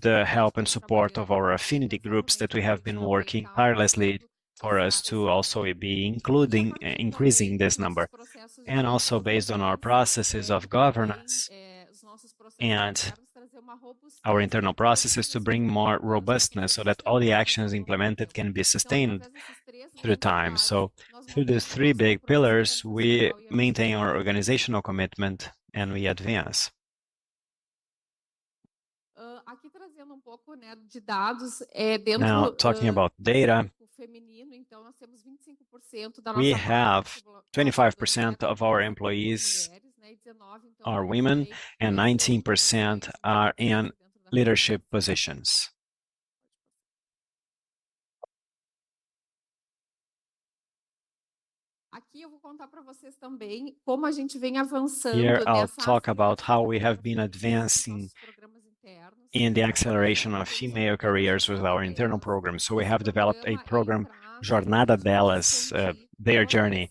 A: the help and support of our affinity groups that we have been working tirelessly for us to also be including, increasing this number. And also based on our processes of governance and our internal processes, to bring more robustness, so that all the actions implemented can be sustained through time. So through these three big pillars, we maintain our organizational commitment, and we advance. Now, talking about data, we have 25% of our employees are women, and 19% are in leadership positions. Here, I'll talk about how we have been advancing in the acceleration of female careers with our internal programs. So we have developed a program, Jornada Elas, Their Journey.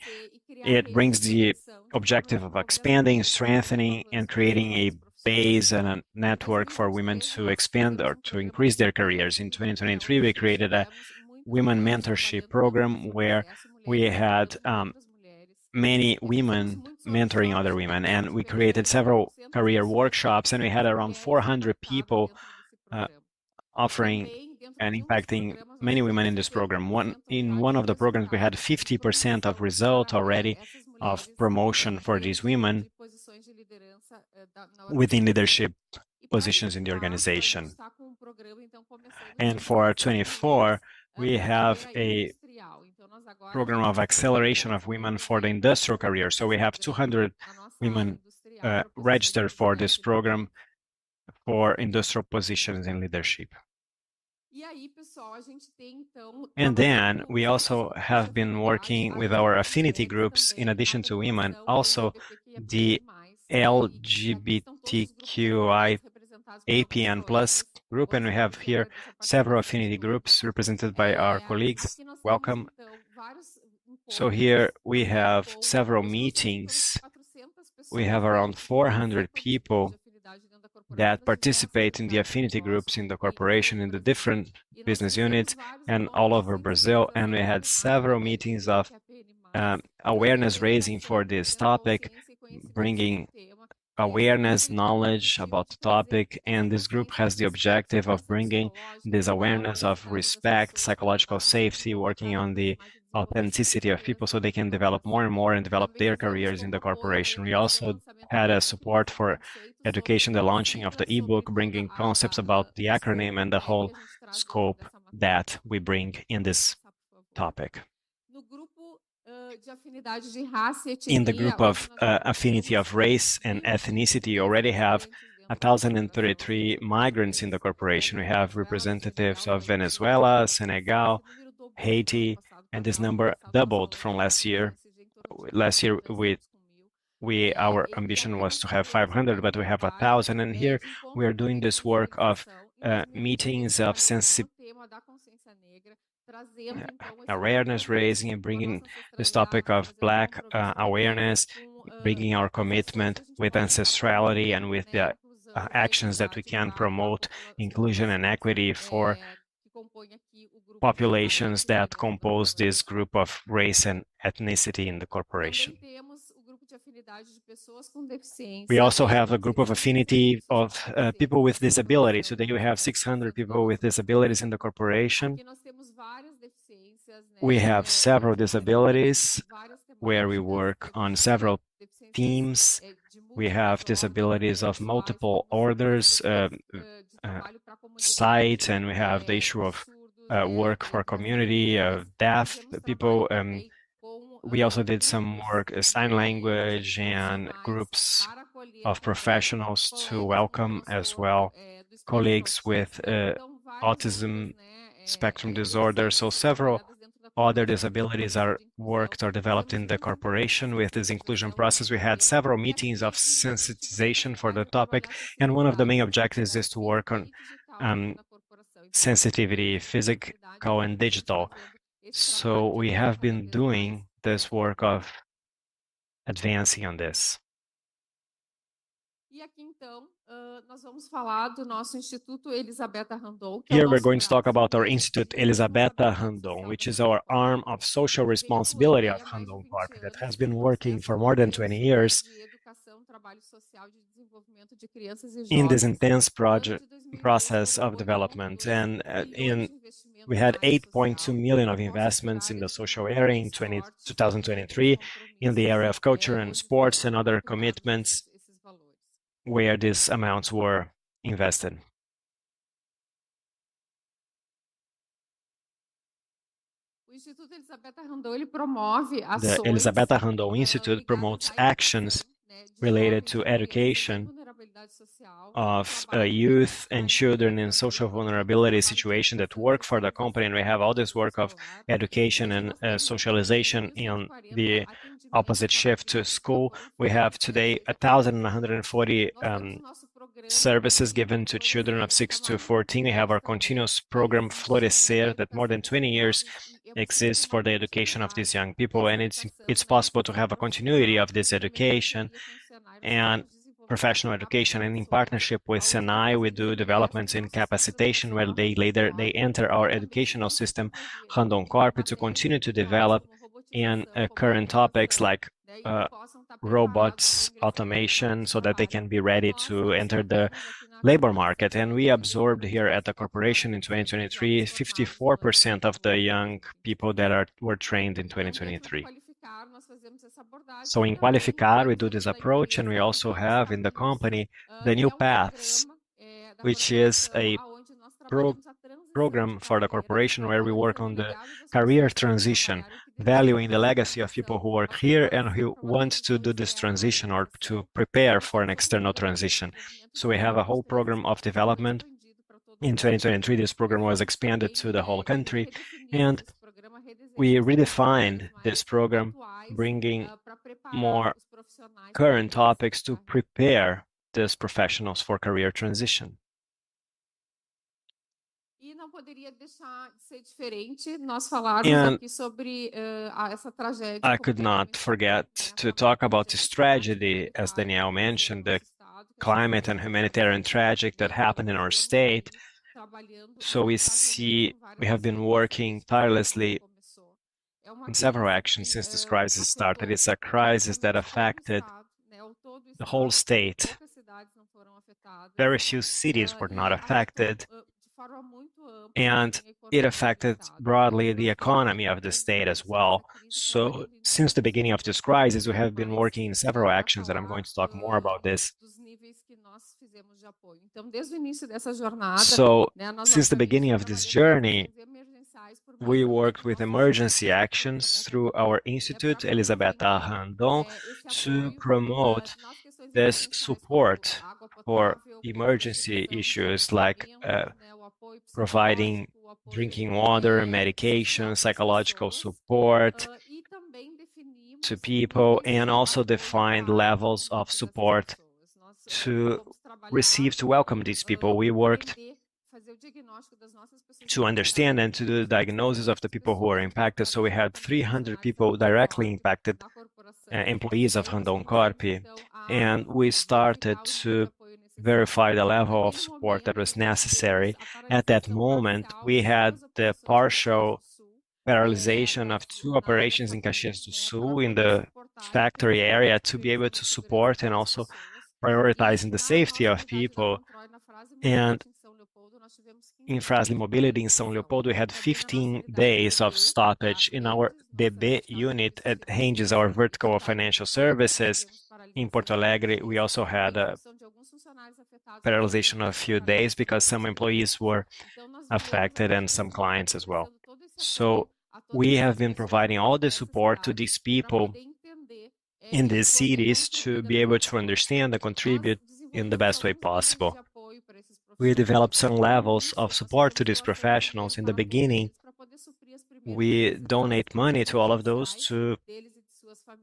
A: It brings the objective of expanding, strengthening, and creating a base and a network for women to expand or to increase their careers. In 2023, we created a women mentorship program, where we had many women mentoring other women, and we created several career workshops, and we had around 400 people offering and impacting many women in this program. In one of the programs, we had 50% of result already of promotion for these women within leadership positions in the organization. For 2024, we have a program of acceleration of women for the industrial career, so we have 200 women registered for this program for industrial positions in leadership. And then, we also have been working with our affinity groups, in addition to women, also the LGBTQIAPN+ group, and we have here several affinity groups represented by our colleagues. Welcome. Here we have several meetings. We have around 400 people that participate in the affinity groups in the corporation, in the different business units and all over Brazil, and we had several meetings of awareness raising for this topic, bringing awareness, knowledge about the topic, and this group has the objective of bringing this awareness of respect, psychological safety, working on the authenticity of people, so they can develop more and more and develop their careers in the corporation. We also had a support for education, the launching of the e-book, bringing concepts about the acronym and the whole scope that we bring in this topic. In the group of affinity of race and ethnicity, we already have 1,033 migrants in the corporation. We have representatives of Venezuela, Senegal, Haiti, and this number doubled from last year. Last year, we. Our ambition was to have 500, but we have 1,000, and here we are doing this work of meetings, of awareness raising and bringing this topic of Black awareness, bringing our commitment with ancestrality and with the actions that we can promote inclusion and equity for populations that compose this group of race and ethnicity in the corporation. We also have a group of affinity of people with disabilities, so then you have 600 people with disabilities in the corporation. We have several disabilities, where we work on several teams. We have disabilities of multiple orders, sight, and we have the issue of work for community of deaf people. We also did some work with sign language and groups of professionals to welcome as well colleagues with autism spectrum disorder. Several other disabilities are worked or developed in the corporation. With this inclusion process, we had several meetings of sensitization for the topic, and one of the main objectives is to work on sensitivity, physical and digital. We have been doing this work of advancing on this. Here, we're going to talk about our Instituto Elisabetha Randon, which is our arm of social responsibility at Randoncorp, that has been working for more than 20 years in this intense process of development. We had 8.2 million of investments in the social area in 2023, in the area of culture and sports and other commitments, where these amounts were invested. The Elisabetha Randon Institute promotes actions related to education of youth and children in social vulnerability situation that work for the company, and we have all this work of education and socialization in the opposite shift to school. We have today 1,140 services given to children of six to 14. We have our continuous program, Florescer, that more than 20 years exists for the education of these young people, and it's possible to have a continuity of this education and professional education, and in partnership with SENAI, we do developments in capacitation, where they later enter our educational system, Randoncorp, to continue to develop in current topics like robots, automation, so that they can be ready to enter the labor market. We absorbed here at the corporation in 2023, 54% of the young people that were trained in 2023. In Qualificar, we do this approach, and we also have in the company the New Paths, which is a program for the corporation, where we work on the career transition, valuing the legacy of people who work here and who want to do this transition or to prepare for an external transition. We have a whole program of development. In 2023, this program was expanded to the whole country, and we redefined this program, bringing more current topics to prepare these professionals for career transition. I could not forget to talk about this tragedy, as Daniel mentioned, the climate and humanitarian tragedy that happened in our state. We see. We have been working tirelessly on several actions since this crisis started. It's a crisis that affected the whole state. Very few cities were not affected, and it affected broadly the economy of the state as well, so since the beginning of this crisis, we have been working in several actions, and I'm going to talk more about this, so since the beginning of this journey, we worked with emergency actions through our institute, Elisabetha Randon, to promote this support for emergency issues like, providing drinking water, medication, psychological support to people, and also defined levels of support to receive, to welcome these people. We worked to understand and to do the diagnosis of the people who were impacted, so we had 300 people directly impacted, employees of Randoncorp, and we started to verify the level of support that was necessary. At that moment, we had the partial paralyzation of two operations in Caxias do Sul, in the factory area, to be able to support and also prioritizing the safety of people, and in Fras-le Mobility in São Leopoldo, we had 15 days of stoppage in our DB unit. It changes our vertical of financial services. In Porto Alegre, we also had a paralyzation of a few days because some employees were affected, and some clients as well, so we have been providing all the support to these people in these cities to be able to understand and contribute in the best way possible. We developed certain levels of support to these professionals. In the beginning, we donate money to all of those to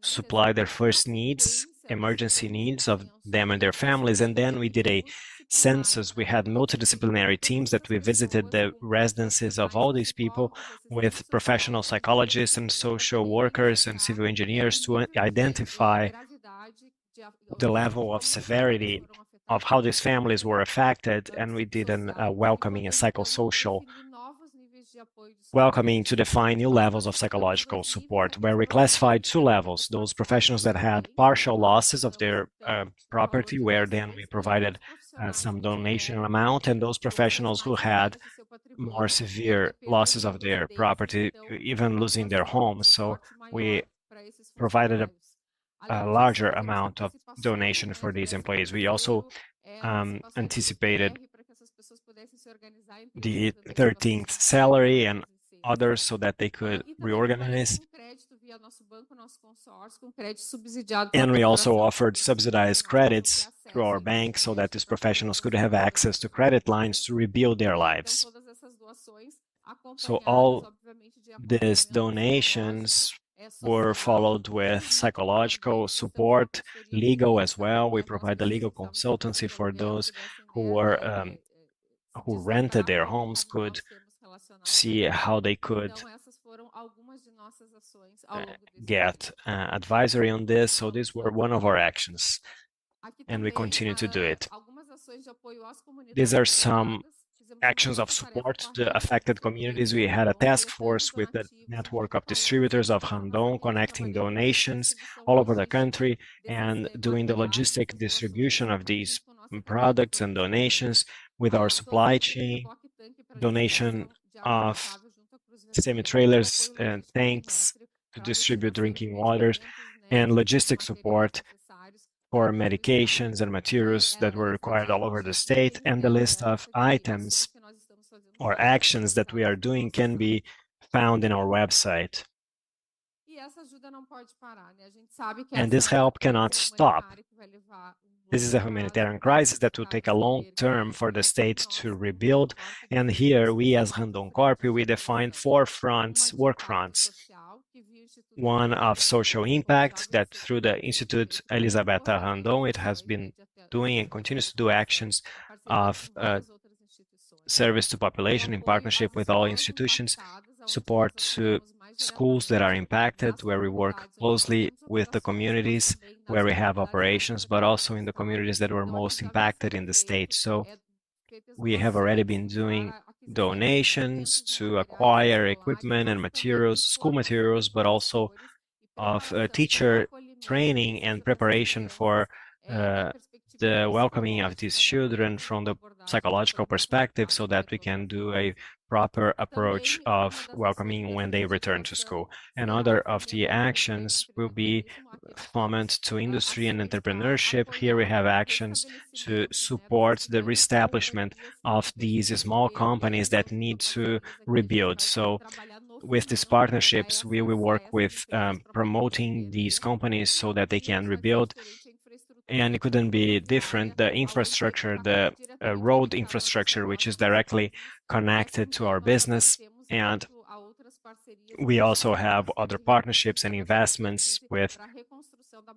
A: supply their first needs, emergency needs of them and their families, and then we did a census. We had multidisciplinary teams that we visited the residences of all these people with professional psychologists, and social workers, and civil engineers to identify the level of severity of how these families were affected. And we did a welcoming, a psychosocial welcoming, to define new levels of psychological support, where we classified two levels: those professionals that had partial losses of their property, where then we provided some donation amount, and those professionals who had more severe losses of their property, even losing their homes. So we provided a larger amount of donation for these employees. We also anticipated the 13th salary and others so that they could reorganize. And we also offered subsidized credits through our bank so that these professionals could have access to credit lines to rebuild their lives. So all these donations were followed with psychological support, legal as well. We provide the legal consultancy for those who rented their homes could see how they could get advisory on this. These were one of our actions, and we continue to do it. These are some actions of support to the affected communities. We had a task force with the network of distributors of Randon, connecting donations all over the country and doing the logistic distribution of these products and donations with our supply chain, donation of semi-trailers and tanks to distribute drinking waters, and logistic support for medications and materials that were required all over the state. The list of items or actions that we are doing can be found in our website. This help cannot stop. This is a humanitarian crisis that will take a long term for the state to rebuild, and here we, as Randoncorp, we define four fronts, work fronts. One of social impact, that through the Instituto Elisabetha Randon, it has been doing and continues to do actions of service to population in partnership with all institutions, support to schools that are impacted, where we work closely with the communities where we have operations, but also in the communities that were most impacted in the state. So we have already been doing donations to acquire equipment and materials, school materials, but also of teacher training and preparation for the welcoming of these children from the psychological perspective, so that we can do a proper approach of welcoming when they return to school. Another of the actions will be momentum to industry and entrepreneurship. Here we have actions to support the reestablishment of these small companies that need to rebuild, so with these partnerships, we will work with promoting these companies so that they can rebuild, and it couldn't be different: the infrastructure, the road infrastructure, which is directly connected to our business, and we also have other partnerships and investments with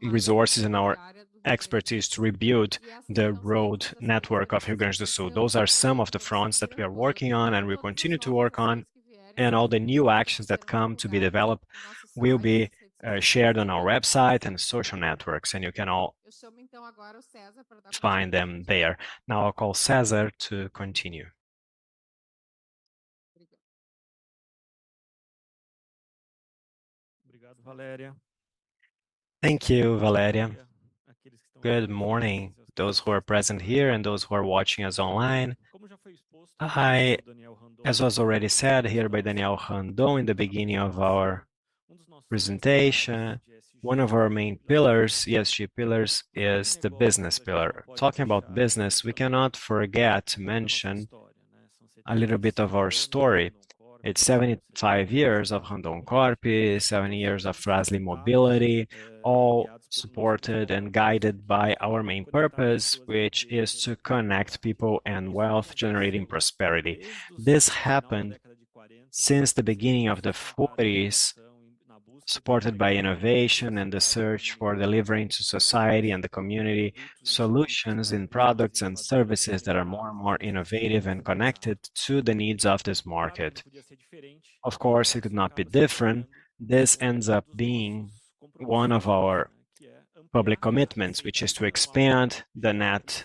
A: resources and our expertise to rebuild the road network of Rio Grande do Sul. Those are some of the fronts that we are working on, and we continue to work on, and all the new actions that come to be developed will be shared on our website and social networks, and you can all find them there. Now I'll call César to continue.
D: Thank you, Valéria. Good morning, those who are present here and those who are watching us online. As was already said here by Daniel Randon in the beginning of our presentation, one of our main pillars, ESG pillars, is the business pillar. Talking about business, we cannot forget to mention a little bit of our story. It's 75 years of Randoncorp, 70 years of Fras-le Mobility, all supported and guided by our main purpose, which is to connect people and wealth, generating prosperity. This happened since the beginning of the 1940s, supported by innovation and the search for delivering to society and the community, solutions in products and services that are more and more innovative and connected to the needs of this market. Of course, it could not be different. This ends up being one of our public commitments, which is to expand the net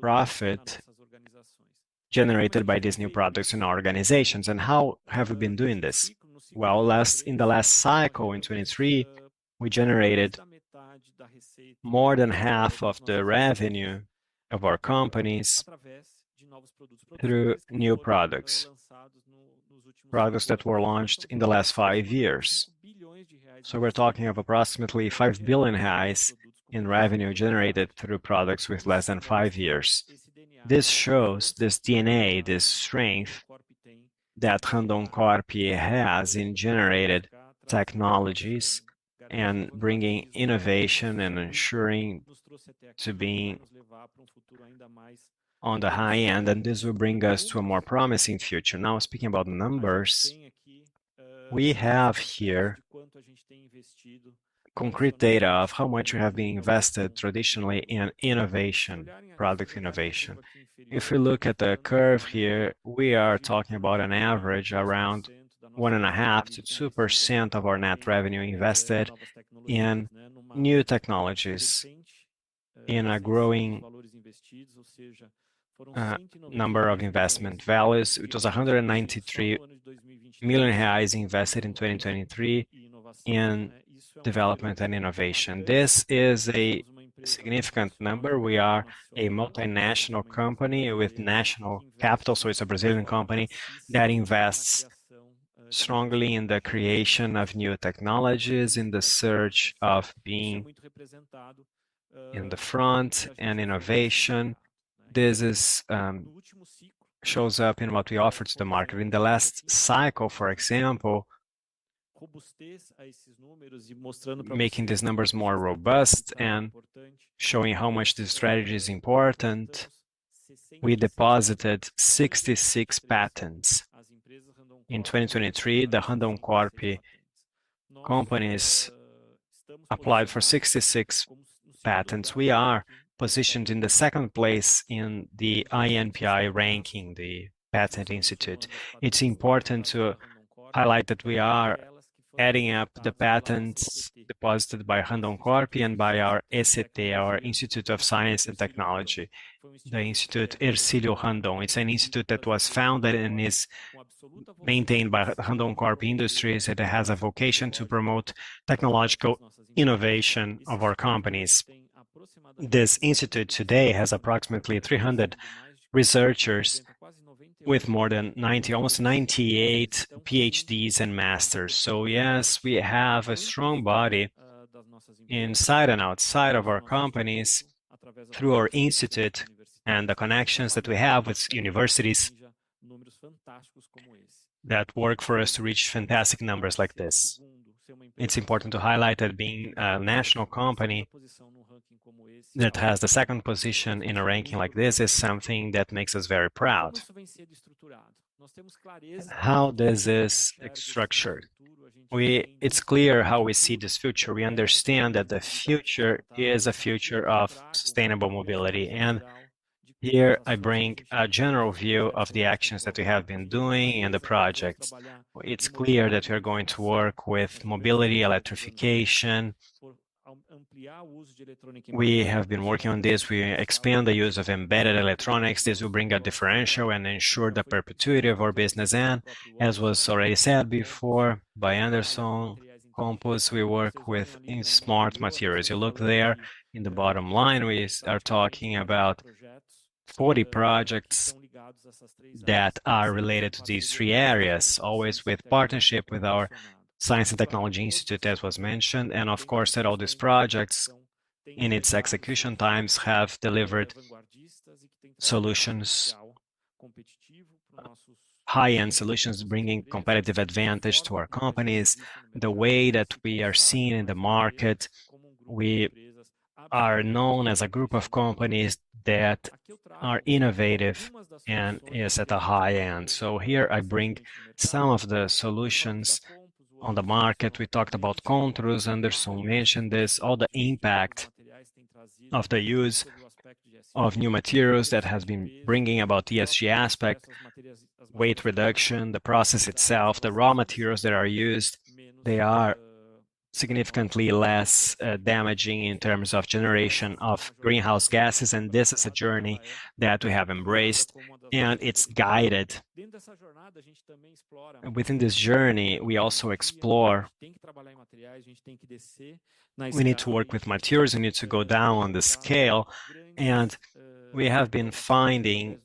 D: profit generated by these new products in our organizations. And how have we been doing this? In the last cycle, in 2023, we generated more than half of the revenue of our companies through new products, products that were launched in the last five years. We're talking of approximately 5 billion in revenue generated through products with less than five years. This shows this DNA, this strength that Randoncorp has in generated technologies and bringing innovation and ensuring to being on the high end, and this will bring us to a more promising future. Now, speaking about numbers, we have here concrete data of how much we have been invested traditionally in innovation, product innovation. If we look at the curve here, we are talking about an average around 1.5%-2% of our net revenue invested in new technologies, in a growing number of investment values, which was 193 million reais invested in 2023 in development and innovation. This is a significant number. We are a multinational company with national capital, so it's a Brazilian company that invests strongly in the creation of new technologies, in the search of being in the front, and innovation. This shows up in what we offer to the market. In the last cycle, for example, making these numbers more robust and showing how much this strategy is important, we deposited 66 patents. In 2023, the Randoncorp companies applied for 66 patents. We are positioned in the second place in the INPI ranking, the Patent Institute. It's important to highlight that we are adding up the patents deposited by Randoncorp and by our ICT, our Institute of Science and Technology, the Instituto Hercílio Randon. It's an institute that was founded and is maintained by Randoncorp industries, and it has a vocation to promote technological innovation of our companies. This institute today has approximately 300 researchers with more than 98 PhDs and Masters. So yes, we have a strong body inside and outside of our companies through our institute and the connections that we have with universities, that work for us to reach fantastic numbers like this. It's important to highlight that being a national company that has the second position in a ranking like this, is something that makes us very proud. How is this structured? It's clear how we see this future. We understand that the future is a future of sustainable mobility, and here I bring a general view of the actions that we have been doing and the projects. It's clear that we're going to work with mobility, electrification. We have been working on this. We expand the use of embedded electronics. This will bring a differential and ensure the perpetuity of our business, and as was already said before by Anderson Pontalti, we work with smart materials. You look there in the bottom line, we are talking about 40 projects that are related to these three areas, always with partnership with our science and technology institute, as was mentioned, and of course, that all these projects, in its execution times, have delivered solutions, high-end solutions, bringing competitive advantage to our companies. The way that we are seen in the market, we are known as a group of companies that are innovative and is at the high end. So here I bring some of the solutions on the market. We talked about Controil. Anderson mentioned this, all the impact of the use of new materials that has been bringing about ESG aspect, weight reduction, the process itself, the raw materials that are used. They are significantly less damaging in terms of generation of greenhouse gases, and this is a journey that we have embraced, and it's guided. Within this journey, we also explore. We need to work with materials, we need to go down on the scale, and we have been finding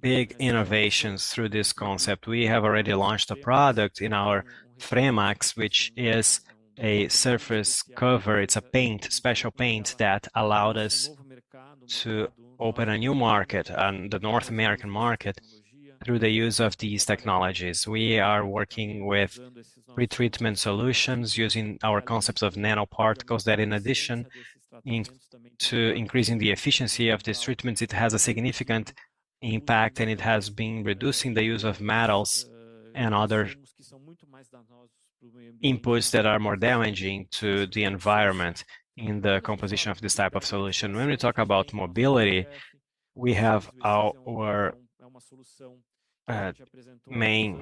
D: big innovations through this concept. We have already launched a product in our Fremax, which is a surface cover. It's a paint, special paint, that allowed us to open a new market, the North American market, through the use of these technologies. We are working with pretreatment solutions, using our concepts of nanoparticles, that in addition to increasing the efficiency of these treatments, it has a significant impact, and it has been reducing the use of metals and other inputs that are more damaging to the environment in the composition of this type of solution. When we talk about mobility, we have our main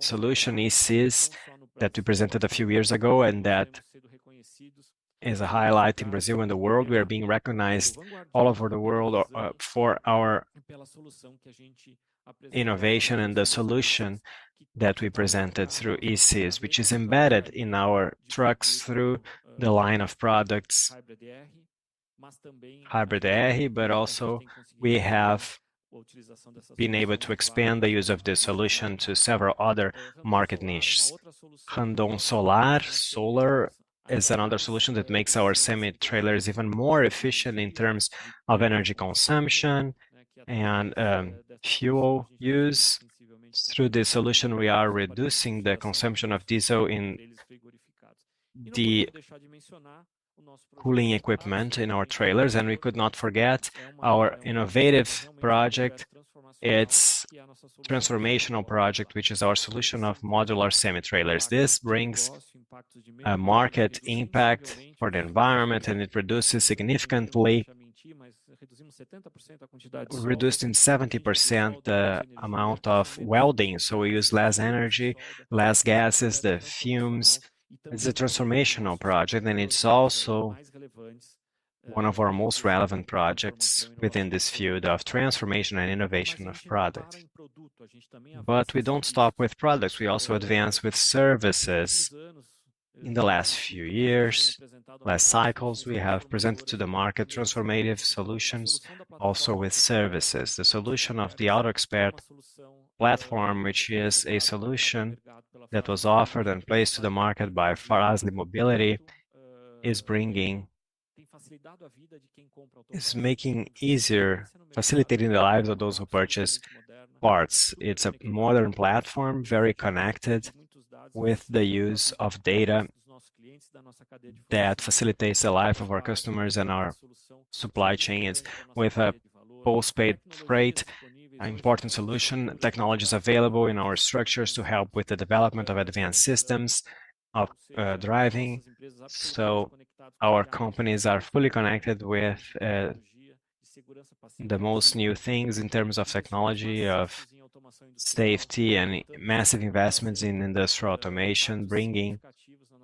D: solution is this, that we presented a few years ago, and that is a highlight in Brazil and the world. We are being recognized all over the world, for our innovation and the solution that we presented through e-Sys, which is embedded in our trucks through the line of products, Hybrid R. But also we have been able to expand the use of this solution to several other market niches. Randon Solar, Solar is another solution that makes our semi-trailers even more efficient in terms of energy consumption and, fuel use. Through this solution, we are reducing the consumption of diesel in the cooling equipment in our trailers, and we could not forget our innovative project. It's transformational project, which is our solution of modular semi-trailers. This brings a market impact for the environment, and it reduces significantly - we reduced in 70% the amount of welding, so we use less energy, less gases, the fumes. It's a transformational project, and it's also one of our most relevant projects within this field of transformation and innovation of products. But we don't stop with products, we also advance with services. In the last few years, last cycles, we have presented to the market transformative solutions, also with services. The solution of the AutoExpert platform, which is a solution that was offered and placed to the market by Fras-le Mobility, is bringing- is making easier, facilitating the lives of those who purchase parts. It's a modern platform, very connected with the use of data that facilitates the life of our customers and our supply chains. With a post-paid rate, an important solution, technology is available in our structures to help with the development of advanced systems of driving. So our companies are fully connected with the most new things in terms of technology, of safety and massive investments in industrial automation, bringing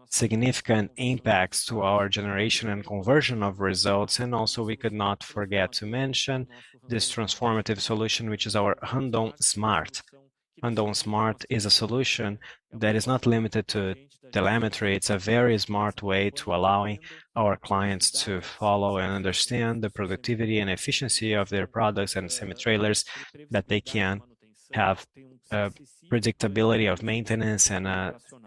D: significant impacts to our generation and conversion of results. And also, we could not forget to mention this transformative solution, which is our Randon Smart. Randon Smart is a solution that is not limited to telemetry. It's a very smart way to allowing our clients to follow and understand the productivity and efficiency of their products and semi-trailers, that they can have, predictability of maintenance and,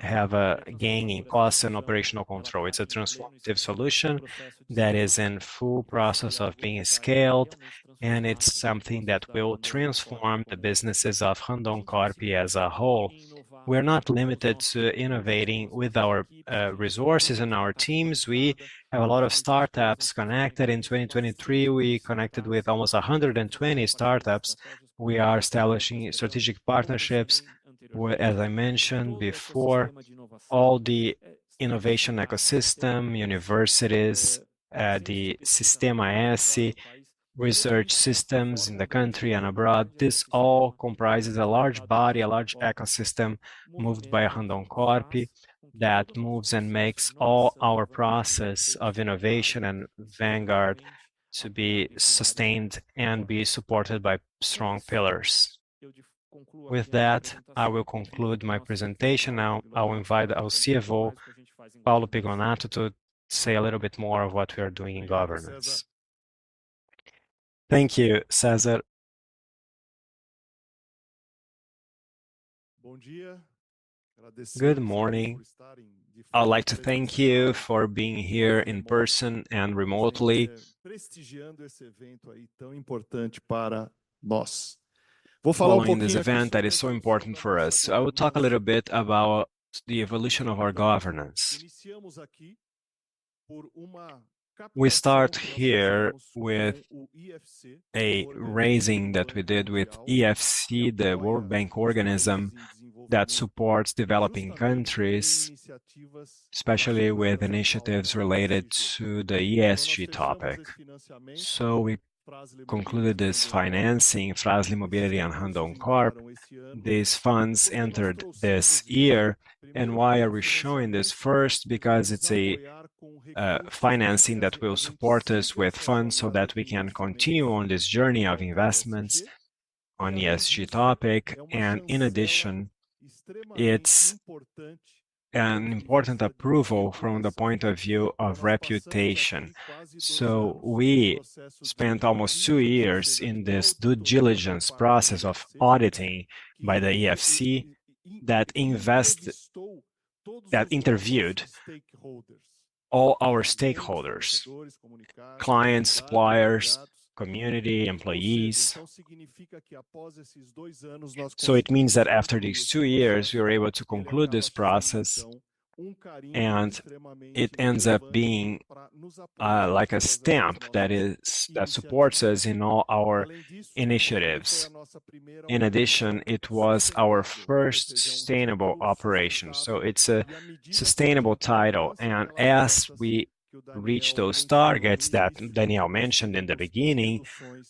D: have a gain in costs and operational control. It's a transformative solution that is in full process of being scaled, and it's something that will transform the businesses of Randoncorp as a whole. We're not limited to innovating with our, resources and our teams. We have a lot of startups connected. In 2023, we connected with almost 120 startups. We are establishing strategic partnerships, where, as I mentioned before, all the innovation ecosystem, universities, the Sistema S, research systems in the country and abroad, this all comprises a large body, a large ecosystem, moved by Randoncorp, that moves and makes all our process of innovation and vanguard to be sustained and be supported by strong pillars. With that, I will conclude my presentation now. I'll invite our CFO, Paulo Prignolato, to say a little bit more of what we are doing in governance.
E: Thank you, César. Good morning. I'd like to thank you for being here in person and remotely following this event that is so important for us. I will talk a little bit about the evolution of our governance. We start here with a raising that we did with IFC, the World Bank organization, that supports developing countries, especially with initiatives related to the ESG topic. We concluded this financing, Fras-le Mobility and Randoncorp. These funds entered this year, and why are we showing this first? Because it's a financing that will support us with funds, so that we can continue on this journey of investments on ESG topic. And in addition, it's an important approval from the point of view of reputation, so we spent almost two years in this due diligence process of auditing by the IFC, that interviewed all our stakeholders, clients, suppliers, community, employees, so it means that after these two years, we were able to conclude this process, and it ends up being like a stamp that supports us in all our initiatives. In addition, it was our first sustainable operation, so it's a sustainable title, and as we reach those targets that Daniel mentioned in the beginning,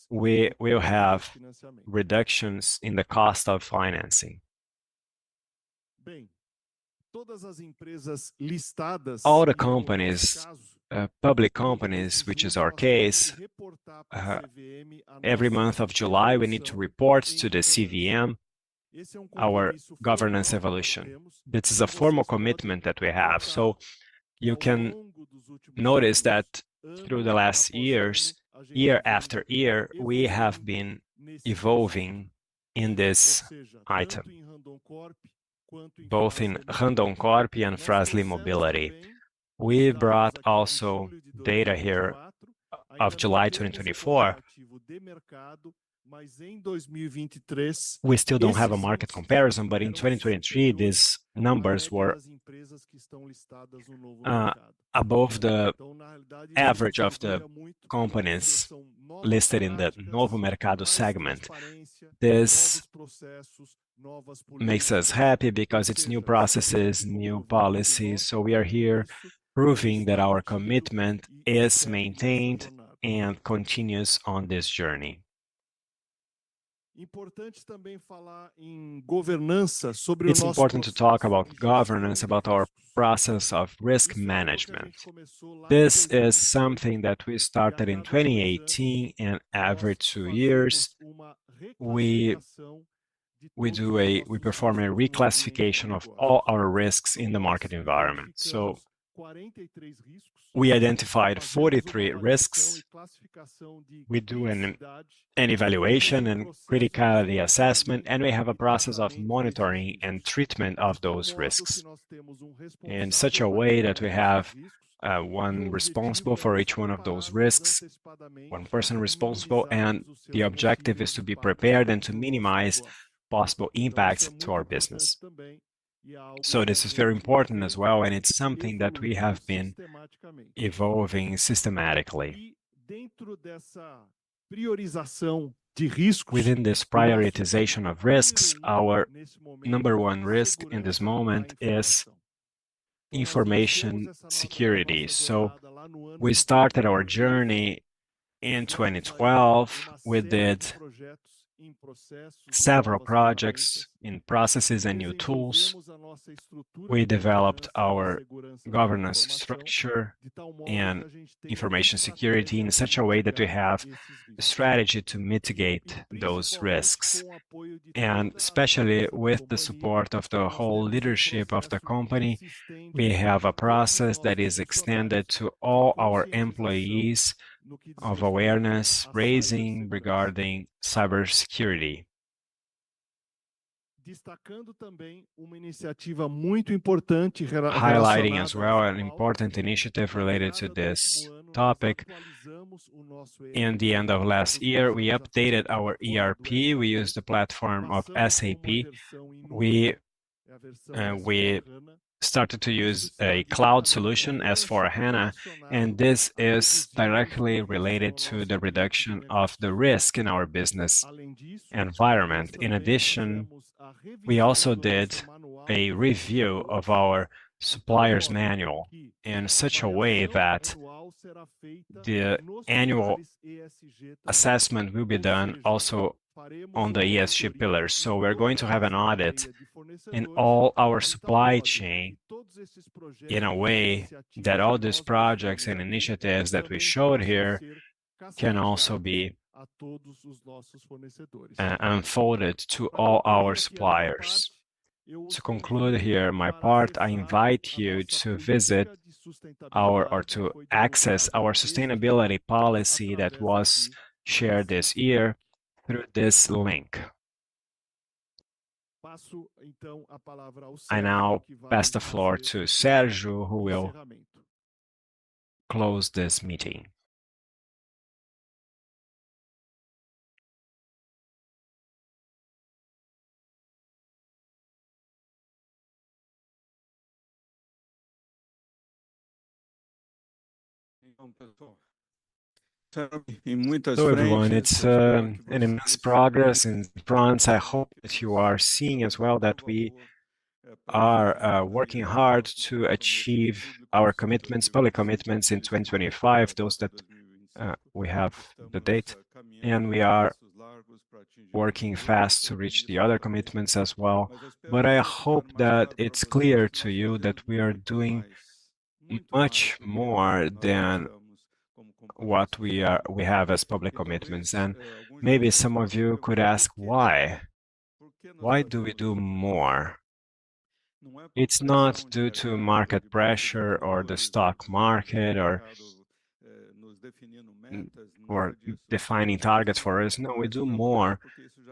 E: we will have reductions in the cost of financing. All the companies, public companies, which is our case, every month of July, we need to report to the CVM our governance evolution. This is a formal commitment that we have, so you can notice that through the last years, year after year, we have been evolving in this item, both in Randoncorp and Fras-le Mobility. We brought also data here of July 2024. We still don't have a market comparison, but in 2023, these numbers were above the average of the companies listed in the Novo Mercado segment. This makes us happy because it's new processes, new policies, so we are here proving that our commitment is maintained and continues on this journey. It's important to talk about governance, about our process of risk management. This is something that we started in 2018, and every two years, we perform a reclassification of all our risks in the market environment. So we identified 43 risks. We do an evaluation and criticality assessment, and we have a process of monitoring and treatment of those risks in such a way that we have one responsible for each one of those risks, one person responsible, and the objective is to be prepared and to minimize possible impacts to our business. So this is very important as well, and it's something that we have been evolving systematically. Within this prioritization of risks, our number one risk in this moment is information security. So we started our journey in 2012. We did several projects in processes and new tools. We developed our governance structure and information security in such a way that we have a strategy to mitigate those risks. And especially with the support of the whole leadership of the company, we have a process that is extended to all our employees of awareness-raising regarding cybersecurity. Highlighting as well, an important initiative related to this topic, in the end of last year, we updated our ERP. We used the platform of SAP. We started to use a cloud solution, S/4HANA, and this is directly related to the reduction of the risk in our business environment. In addition, we also did a review of our suppliers' manual in such a way that the annual assessment will be done also on the ESG pillars. So we're going to have an audit in all our supply chain in a way that all these projects and initiatives that we showed here can also be unfolded to all our suppliers. To conclude here, my part, I invite you to visit our, or to access our sustainability policy that was shared this year through this link. I now pass the floor to Sérgio, who will close this meeting.
B: Hello, everyone. It's a pleasure. I'm in France. I hope that you are seeing as well that we are working hard to achieve our commitments, public commitments in 2025, those that we have the date, and we are working fast to reach the other commitments as well. But I hope that it's clear to you that we are doing much more than what we have as public commitments, and maybe some of you could ask, "Why? Why do we do more?" It's not due to market pressure or the stock market or or defining targets for us. No, we do more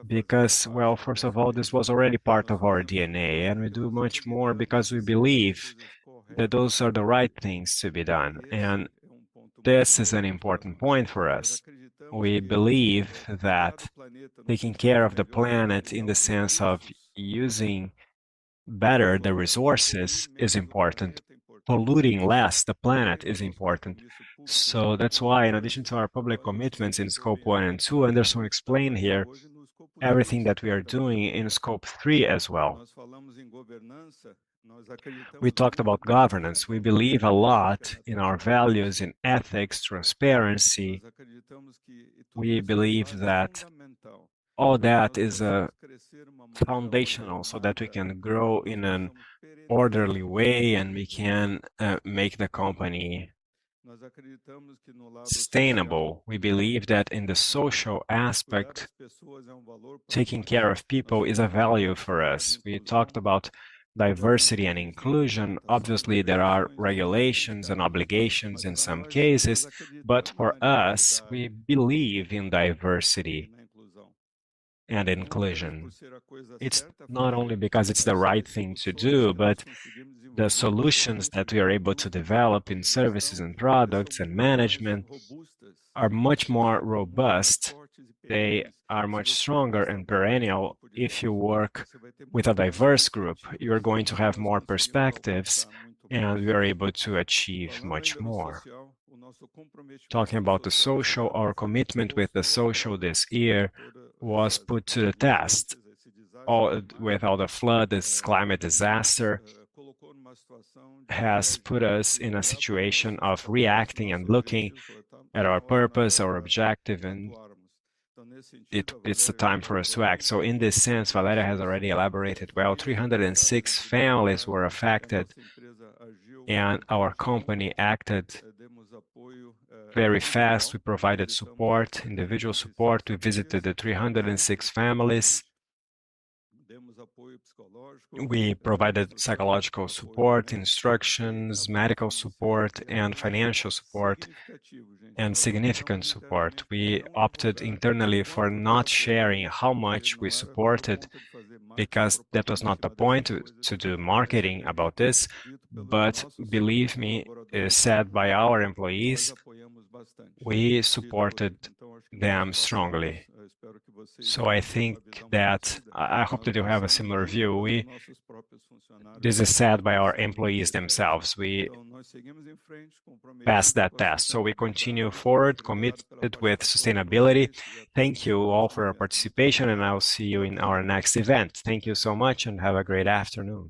B: because, well, first of all, this was already part of our DNA, and we do much more because we believe that those are the right things to be done, and this is an important point for us. We believe that taking care of the planet, in the sense of using better the resources, is important. Polluting less the planet is important. So that's why in addition to our public commitments in Scope 1 and 2, Anderson explained here, everything that we are doing in Scope 3 as well. We talked about governance. We believe a lot in our values, in ethics, transparency. We believe that all that is foundational so that we can grow in an orderly way, and we can make the company sustainable. We believe that in the social aspect, taking care of people is a value for us. We talked about diversity and inclusion. Obviously, there are regulations and obligations in some cases, but for us, we believe in diversity and inclusion. It's not only because it's the right thing to do, but the solutions that we are able to develop in services and products and management are much more robust. They are much stronger and perennial. If you work with a diverse group, you're going to have more perspectives, and we are able to achieve much more. Talking about the social, our commitment with the social this year was put to the test. With all the flood, this climate disaster, has put us in a situation of reacting and looking at our purpose, our objective, and it, it's the time for us to act. So in this sense, Valéria has already elaborated well. 306 families were affected, and our company acted very fast. We provided support, individual support. We visited the 306 families. We provided psychological support, instructions, medical support, and financial support, and significant support. We opted internally for not sharing how much we supported, because that was not the point, to do marketing about this. But believe me, as said by our employees, we supported them strongly. So I think that I hope that you have a similar view. This is said by our employees themselves. We passed that test, so we continue forward, committed with sustainability. Thank you all for your participation, and I'll see you in our next event. Thank you so much, and have a great afternoon.